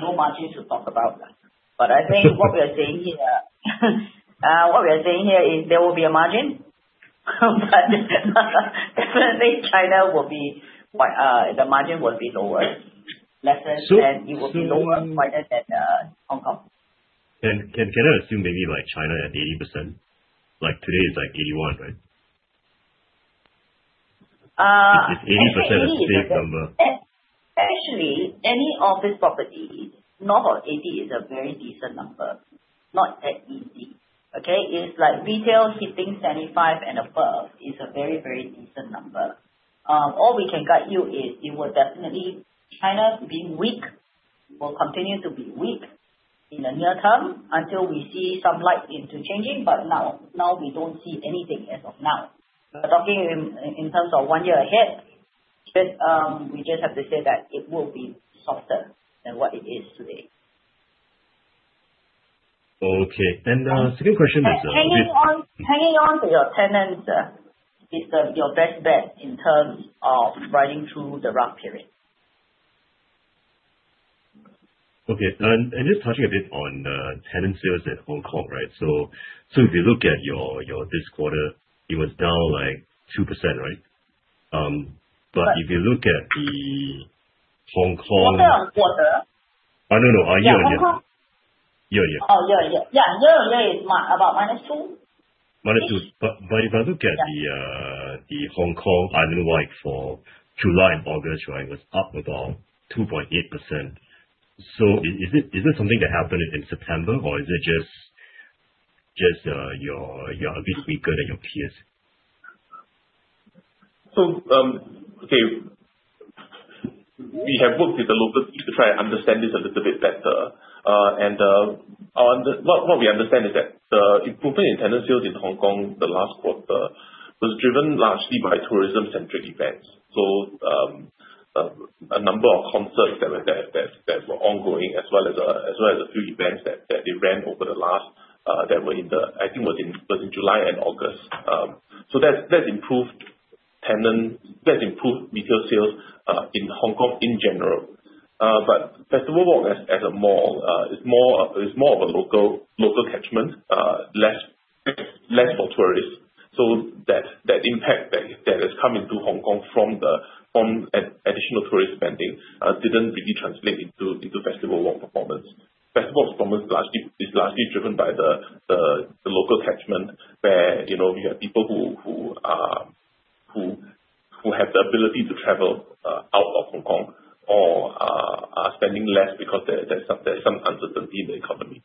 No margins to talk about. What we are saying here is there will be a margin, but definitely China will be quite, the margin will be lower, lesser than. So, so- It will be lower than Hong Kong. Can I assume maybe like China at 80%, like today it's like 81%, right? Uh- If 80% is safe number. Actually, any office property north of 80% is a very decent number. Not that easy. Okay. It's like retail hitting 75% and above is a very, very decent number. All we can guide you is it will definitely China being weak will continue to be weak in the near term until we see some light into changing. Now, we don't see anything as of now. We're talking in terms of one year ahead. We just have to say that it will be softer than what it is today. Okay. second question is, Hanging on to your tenants is your best bet in terms of riding through the rough period. Okay. Just touching a bit on tenant sales at Hong Kong, right? If you look at your this quarter, it was down like 2%, right? Quarter-on-quarter? No, no. Year-on-year. Yeah, Hong Kong. Year-over-year. Oh, year-on-year. Yeah, year-on-year is about -2%. -2%. If I look at the Hong Kong Island-wide for July and August, right, it was up about 2.8%. Is it something that happened in September or is it just you're a bit weaker than your peers? Okay. We have worked with the local team to try and understand this a little bit better. What we understand is that the improvement in tenant sales in Hong Kong the last quarter was driven largely by tourism-centric events. A number of concerts that were ongoing as well as a few events that they ran over the last that were in the, I think was in July and August. That improved retail sales in Hong Kong in general. Festival Walk as a mall is more of a local catchment, less for tourists. That impact that has come into Hong Kong from additional tourist spending didn't really translate into Festival Walk performance. Festival Walk's performance is largely driven by the local catchment where, you know, we have people who have the ability to travel out of Hong Kong or are spending less because there's some uncertainty in the economy.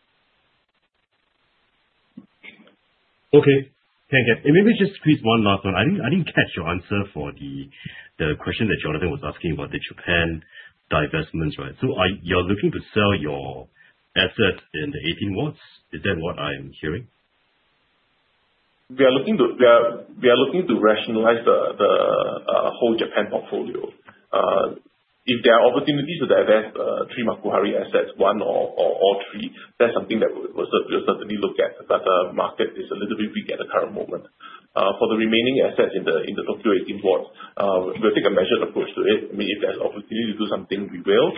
Okay. Thank you. Maybe just please one last one. I didn't catch your answer for the question that Jonathan was asking about the Japan divestments, right? Are You're looking to sell your assets in the 18 wards, is that what I am hearing? We are looking to rationalize the whole Japan portfolio. If there are opportunities to divest three Makuhari assets, one or all three, that's something that we'll certainly look at. The market is a little bit weak at the current moment. For the remaining assets in the Tokyo 18 wards, we'll take a measured approach to it. I mean, if there's opportunity to do something, we will.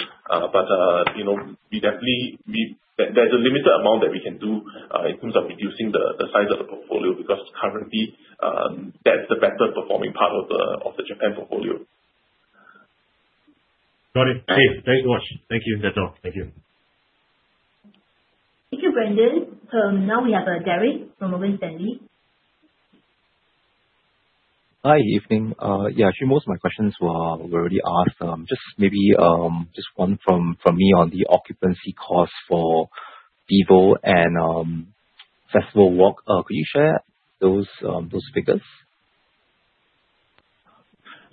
You know, there's a limited amount that we can do in terms of reducing the size of the portfolio because currently, that's the better performing part of the Japan portfolio. Got it. Okay. Thanks so much. Thank you. That's all. Thank you. Thank you, Brandon. We have Derek from Morgan Stanley. Hi, evening. Yeah, actually most of my questions were already asked. Just maybe, just one from me on the occupancy cost for Vivo and Festival Walk. Could you share those figures?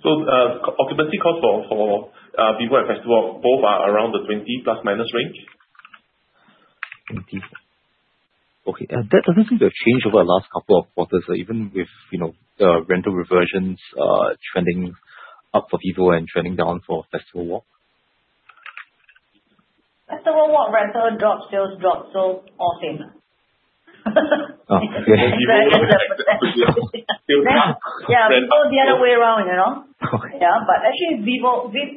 Occupancy cost for Vivo and Festival Walk both are around the ±20% range. 20%. Okay. That doesn't seem to have changed over the last couple of quarters, even with, you know, rental reversions, trending up for VivoCity and trending down for Festival Walk. Festival Walk rental drops, sales drop. All same. Oh, okay. VivoCity is the opposite. Yeah, Vivo is the other way around, you know? Okay. Yeah. Actually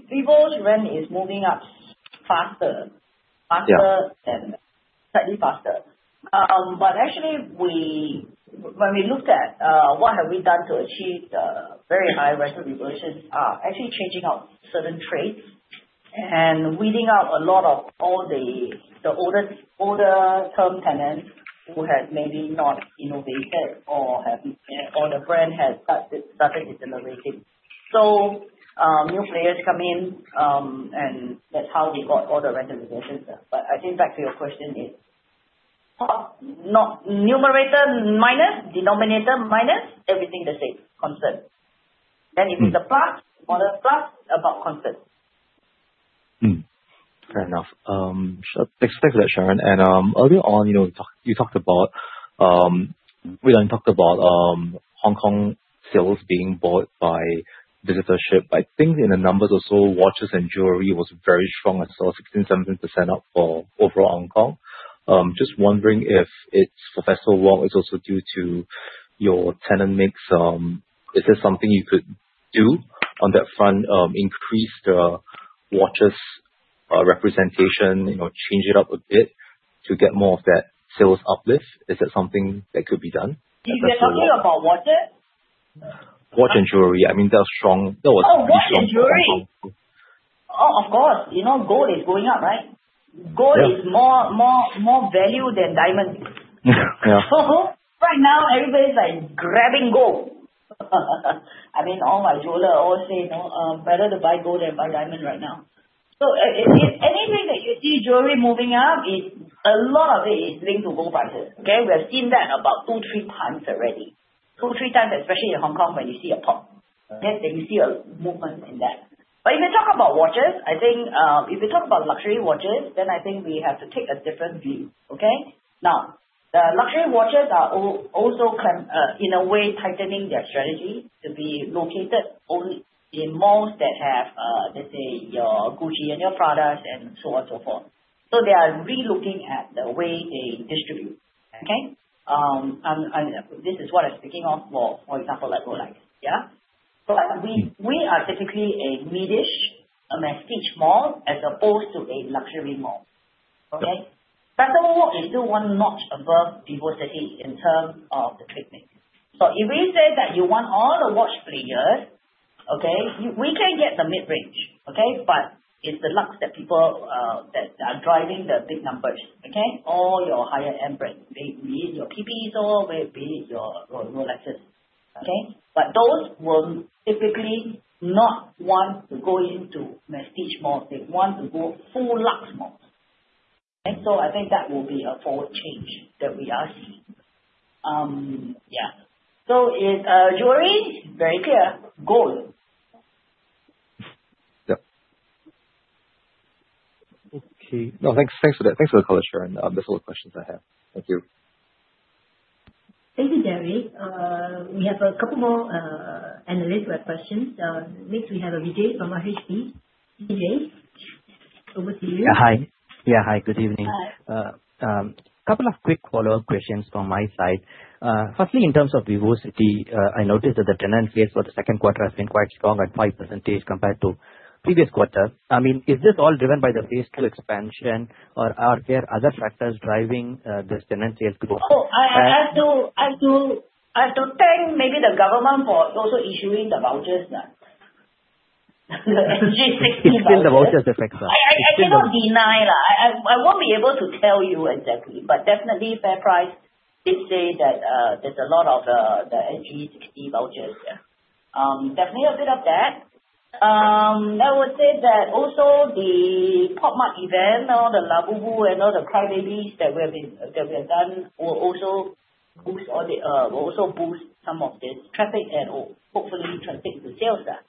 Vivo's rent is moving up faster. Yeah. Faster slightly faster. Actually when we looked at what have we done to achieve the very high rental reversions, actually changing out certain trades and weeding out a lot of all the older term tenants who had maybe not innovated or have or the brand had started decelerating. New players come in, that's how we got all the rental reversions. I think back to your question numerator minus denominator minus everything that is concerned. If it's a plus or a plus about concern. Fair enough. Thanks for that, Sharon. Earlier on, you know, talk, you talked about, we then talked about Hong Kong sales being bought by visitorship. I think in the numbers also, watches and jewelry was very strong. I saw 16%, 17% up for overall Hong Kong. Just wondering if it's Festival Walk is also due to your tenant mix. Is there something you could do on that front, increase the watches, representation, you know, change it up a bit to get more of that sales uplift? Is that something that could be done at Festival Walk? You said something about watches? Watch and jewelry. I mean, that was strong. That was pretty strong for Hong Kong. Oh, watch and jewelry. Oh, of course. You know, gold is going up, right? Yeah. Gold is more value than diamond. Yeah. Right now everybody's, like, grabbing gold. I mean, all my jeweler all say, you know, better to buy gold than buy diamond right now. Anyway that you see jewelry moving up, it a lot of it is linked to gold prices, okay? We have seen that about 2x, 3x already. 2x, 3x, especially in Hong Kong when you see a pop, you see a movement in that. If you talk about watches, I think, if you talk about luxury watches, I think we have to take a different view, okay? The luxury watches are also in a way tightening their strategy to be located only in malls that have, let's say your Gucci and your Prada and so on and so forth. They are relooking at the way they distribute, okay? This is what I'm speaking of for example, like Rolex, yeah. We are typically a mid-ish, a mass market mall as opposed to a luxury mall, okay. Yep. Festival Walk is still one notch above VivoCity in terms of the trade mix. If we say that you want all the watch players, okay, we can get the mid-range, okay? It's the lux that people that are driving the big numbers, okay? All your higher-end brands, be it your Patek Philippe, be it your Rolexes, okay? Those will typically not want to go into mass market mall. They want to go full lux malls. I think that will be a forward change that we are seeing. Yeah. If jewelry, very clear, gold. Yep. Okay. No, thanks for that. Thanks for the color, Sharon. That's all the questions I have. Thank you. Thank you, Derek Tan. We have a couple more analysts with questions. Next we have Vijay from BHP. Vijay, over to you. Hi. Yeah, hi, good evening. Hi. Couple of quick follow-up questions from my side. Firstly, in terms of VivoCity, I noticed that the tenant sales for the 2Q has been quite strong at 5% compared to previous quarter. I mean, is this all driven by the retail expansion or are there other factors driving this tenant sales growth? Oh, I have to thank maybe the government for also issuing the vouchers now. The SG60 vouchers. It's still the vouchers effects, huh? I cannot deny that. I won't be able to tell you exactly, but definitely FairPrice did say that there's a lot of the SG60 vouchers, yeah. Definitely a bit of that. I would say that also the Pop Mart event or the Labubu and all the CRYBABYs that we have done will also boost some of the traffic and will hopefully translate to sales there.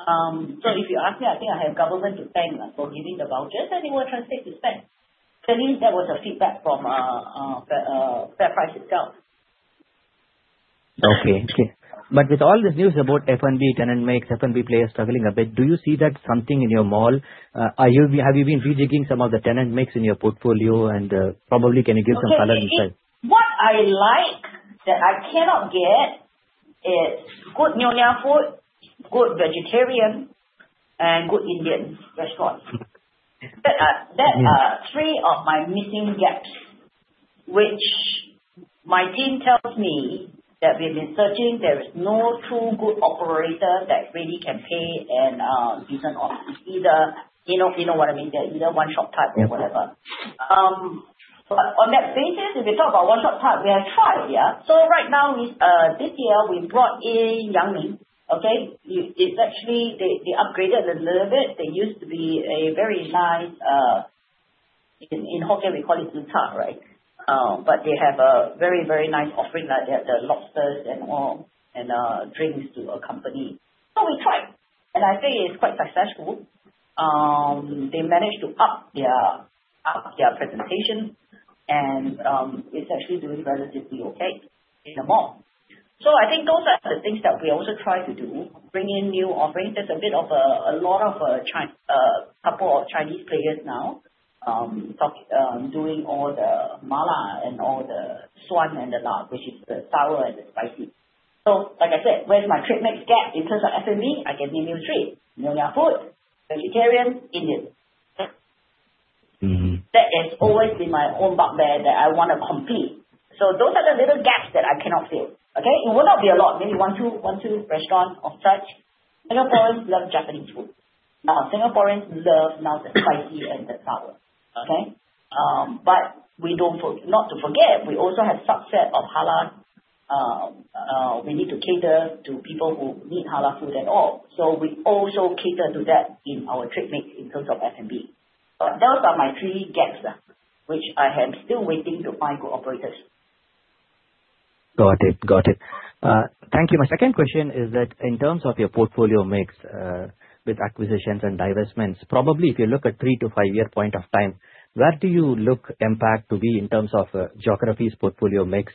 If you ask me, I think I have government to thank for giving the vouchers, and it will translate to spend. At least that was a feedback from FairPrice itself. Okay. Okay. With all this news about F&B tenant mix, F&B players struggling a bit, do you see that something in your mall? Have you been rejigging some of the tenant mix in your portfolio and, probably can you give some color inside? Okay. What I like that I cannot get is good Nyonya food, good vegetarian, and good Indian restaurants. That are three of my missing gaps, which my team tells me that we have been searching. There is no true good operator that really can pay and decent offers. Either You know what I mean. They're either one-shop type or whatever. Yeah. On that basis, if we talk about one-shop type, we have tried, yeah. Right now, we this year we brought in Yang Ming, okay? It's actually, they upgraded a little bit. They used to be a very nice, in Hokkien we call it tze char, right? They have a very nice offering. Like, they have the lobsters and all, and drinks to accompany. We tried, and I say it's quite successful. They managed to up their presentation and it's actually doing relatively okay in the mall. I think those are the things that we also try to do, bring in new offerings. There's a couple of Chinese players now doing all the Mala and all the suan and the la, which is the sour and the spicy. Like I said, where's my trade mix gap? In terms of F&B, I give you three. Nyonya food, vegetarian, Indian. That has always been my own bugbear that I wanna complete. Those are the little gaps that I cannot fill, okay. It will not be a lot, maybe one, two restaurants of such. Singaporeans love Japanese food. Singaporeans love now the spicy and the sour, okay. Not to forget, we also have subset of halal, we need to cater to people who need halal food at all. We also cater to that in our trade mix in terms of F&B. Those are my three gaps left, which I am still waiting to find good operators. Got it. Got it. Thank you. My second question is that in terms of your portfolio mix, with acquisitions and divestments, probably if you look at three to five-year point of time, where do you look MPACT to be in terms of geographies, portfolio mix,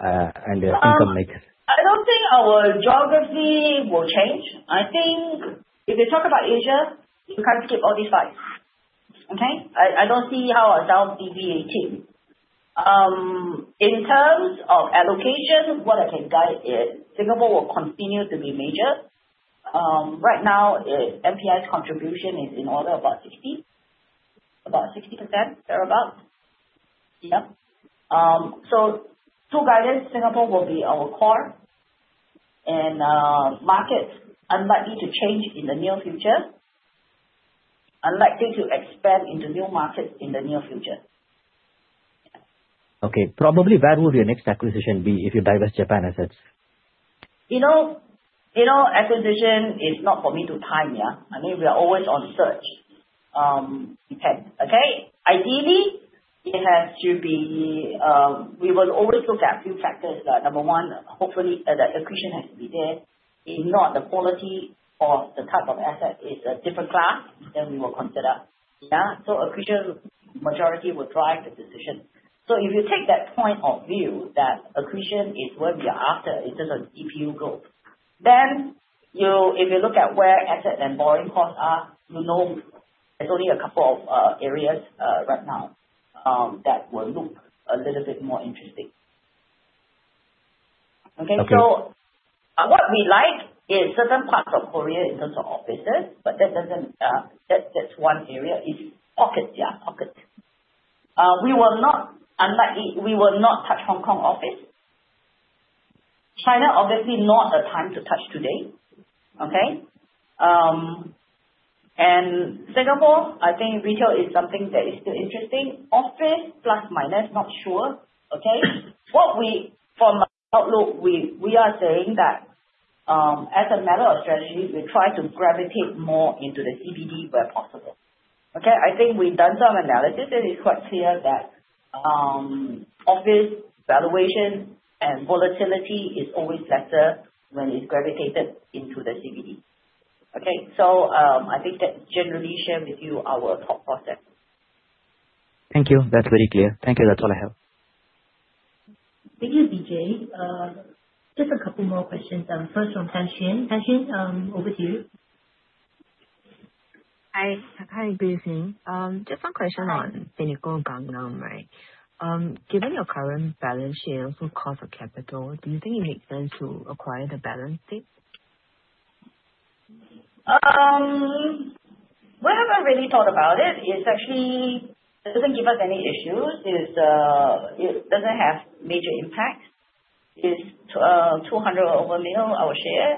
and income mix? I don't think our geography will change. I think if you talk about Asia, you can't skip all these five. Okay? I don't see how I'll down CBD 18. In terms of allocation, what I can guide is Singapore will continue to be major. Right now, NPI's contribution is in order about 60% thereabout. Yeah. Two guidance, Singapore will be our core and markets unlikely to change in the near future. Unlikely to expand into new markets in the near future. Yeah. Okay. Probably, where will your next acquisition be if you divest Japan assets? You know, acquisition is not for me to time, yeah. I mean, we are always on search. Okay. Ideally, it has to be. We will always look at a few factors. Number one, hopefully, the accretion has to be there. If not, the quality or the type of asset is a different class, then we will consider. Yeah. Accretion, majority will drive the decision. If you take that point of view, that accretion is what we are after, it doesn't keep you go. If you look at where asset and borrowing costs are, you know there's only a couple of areas right now that will look a little bit more interesting. Okay. Okay. What we like is certain parts of Korea in terms of offices, but that doesn't, that's one area is pocket, yeah, pocket. We will not touch Hong Kong office. China, obviously not the time to touch today. Okay. Singapore, I think retail is something that is still interesting. Office, plus minus, not sure. Okay. From an outlook, we are saying that, as a matter of strategy, we try to gravitate more into the CBD where possible. Okay. I think we've done some analysis, and it's quite clear that, office valuation and volatility is always better when it's gravitated into the CBD. Okay. I think that generally share with you our thought process. Thank you. That's very clear. Thank you. That's all I have. Thank you, Vijay. Just a couple more questions. First from Tan Xuan. Tan Xuan, over to you. Hi. Hi, Teng Li. Just one question on The Pinnacle Gangnam, right. Given your current balance sheet also cost of capital, do you think it makes sense to acquire the balance sheet? We haven't really thought about it. It's actually, it doesn't give us any issues. It's, it doesn't have major impact. It's 200 million, our share.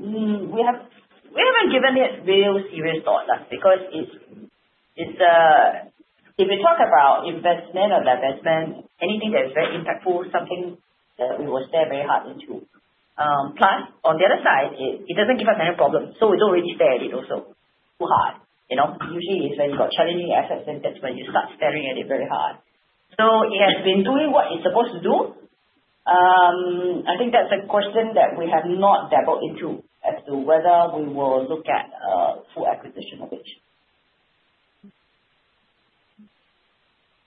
We have, we haven't given it real serious thought now because it's, if we talk about investment or divestment, anything that's very impactful, something that we will stare very hard into. Plus, on the other side, it doesn't give us any problem, so we don't really stare at it also too hard, you know. Usually it's when you've got challenging assets, then that's when you start staring at it very hard. It has been doing what it's supposed to do. I think that's a question that we have not dabbled into as to whether we will look at full acquisition of it.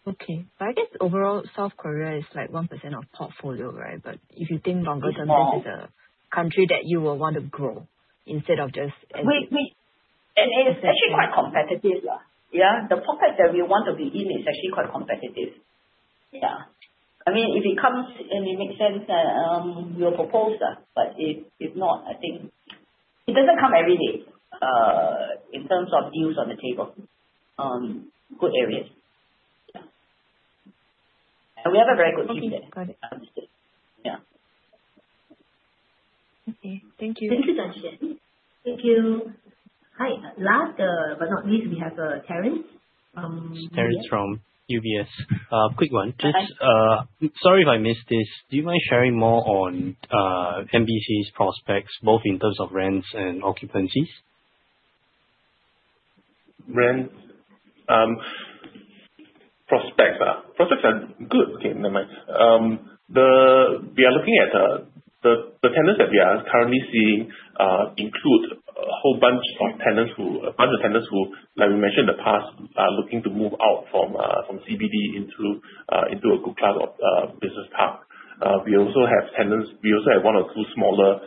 Okay. I guess overall, South Korea is like 1% of portfolio, right? It's small. This is a country that you will want to grow instead of just ending. It's actually quite competitive, yeah. The pocket that we want to be in is actually quite competitive. Yeah. I mean, if it comes and it makes sense, we'll propose that. If not, I think it doesn't come every day in terms of deals on the table, good areas. Yeah. We have a very good team there. Okay. Got it. Yeah. Okay. Thank you. Thank you, Tan Xuan. Thank you. Hi. Last, but not least, we have Terence from UBS. It's Terence from UBS. Quick one. Hi. Just, sorry if I missed this. Do you mind sharing more on MBC's prospects, both in terms of rents and occupancies? Rent, prospects are good. Okay, never mind. The tenants that we are currently seeing include a bunch of tenants who, like we mentioned in the past, are looking to move out from CBD into a good class of business park. We also have one or two smaller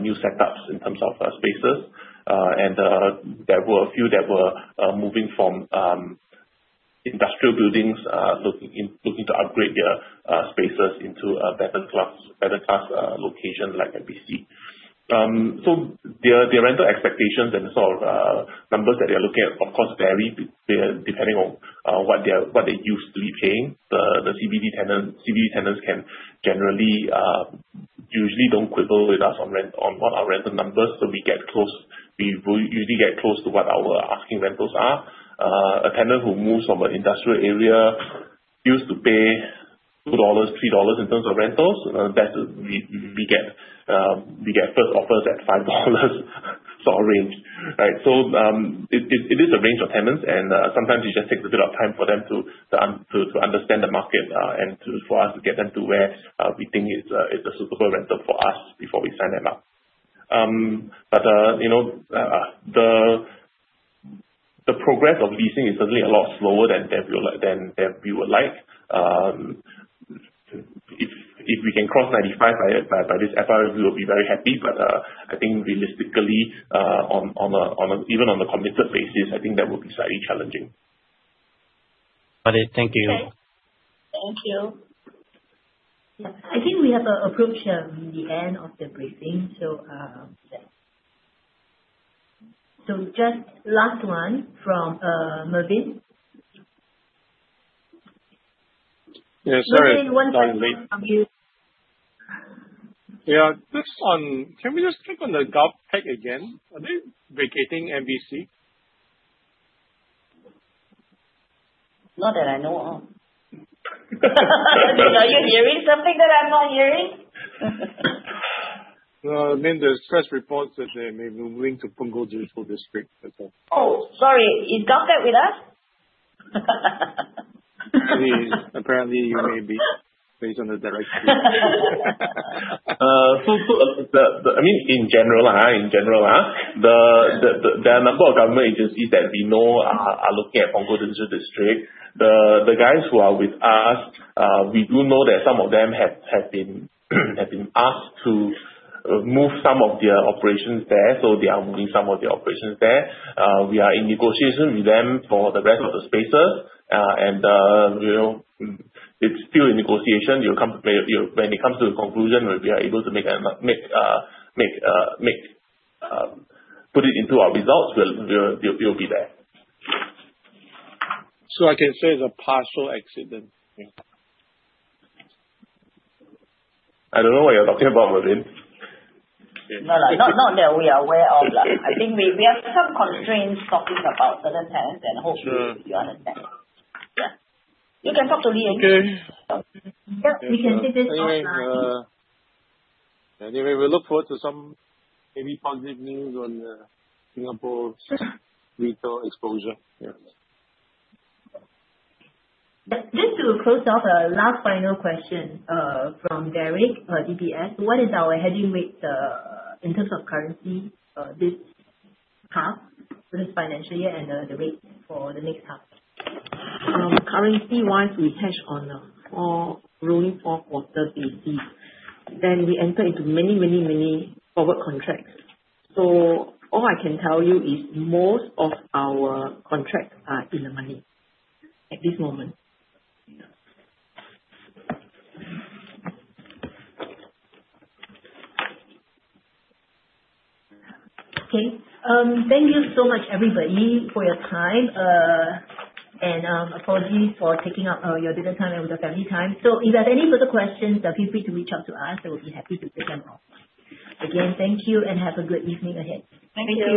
new setups in terms of spaces. There were a few that were moving from industrial buildings, looking to upgrade their spaces into a better class location like MBC. The rental expectations and sort of numbers that they're looking at, of course, vary depending on what they're used to paying. The CBD tenants can generally usually don't quibble with us on rent, on what our rental numbers, we get close. We usually get close to what our asking rentals are. A tenant who moves from an industrial area used to pay 2 dollars, 3 dollars in terms of rentals. That's we get. We get first offers at 5 dollars sort of range, right? It is a range of tenants, and sometimes it just takes a bit of time for them to understand the market, and for us to get them to where we think it's a suitable rental for us before we sign them up. You know, the progress of leasing is certainly a lot slower than we would like. If we can cross 95% by this FY, we will be very happy. I think realistically, on a, even on a committed basis, I think that will be slightly challenging. Okay. Thank you. Thank you. Yeah. I think we have approached the end of the briefing, so. Just last one from Mervin. Yeah, sorry it's gotten late. Mervin, one from you. Yeah. Can we just check on the GovTech again? Are they vacating MBC? Not that I know of. Are you hearing something that I'm not hearing? No, I mean, there's press reports that they may be moving to Punggol Digital District. That's all. Oh, sorry. Is GovTech with us? I mean, apparently you may be based on the direction. I mean, in general, in general, there are number of government agencies that we know are looking at Punggol District. The guys who are with us, we do know that some of them have been asked to move some of their operations there, so they are moving some of their operations there. We are in negotiation with them for the rest of the spaces. You know, it's still in negotiation. When it comes to a conclusion, we'll be able to put it into our results. We'll be there. I can say it's a partial exit then. Yeah. I don't know what you're talking about, Mervin. No, no. Not that we are aware of. I think we have some constraints talking about certain tenants. Sure. Hopefully you understand. Yeah. You can talk to Li Yeng. Okay. Yep. We can take this offline. Anyway, we look forward to some maybe positive news on Singapore retail exposure. Yeah. Just to close out, last final question, from Derek, DBS. What is our hedging rate, in terms of currency, this half, this financial year, and the rate for the next half? Currency-wise, we hedge on a four, rolling four-quarter basis. We enter into many, many, many forward contracts. All I can tell you is most of our contracts are in the money at this moment. Yeah. Okay. Thank you so much, everybody, for your time. Apologies for taking up your dinner time with your family time. If you have any further questions, feel free to reach out to us and we'll be happy to take them off. Again, thank you, and have a good evening ahead. Thank you.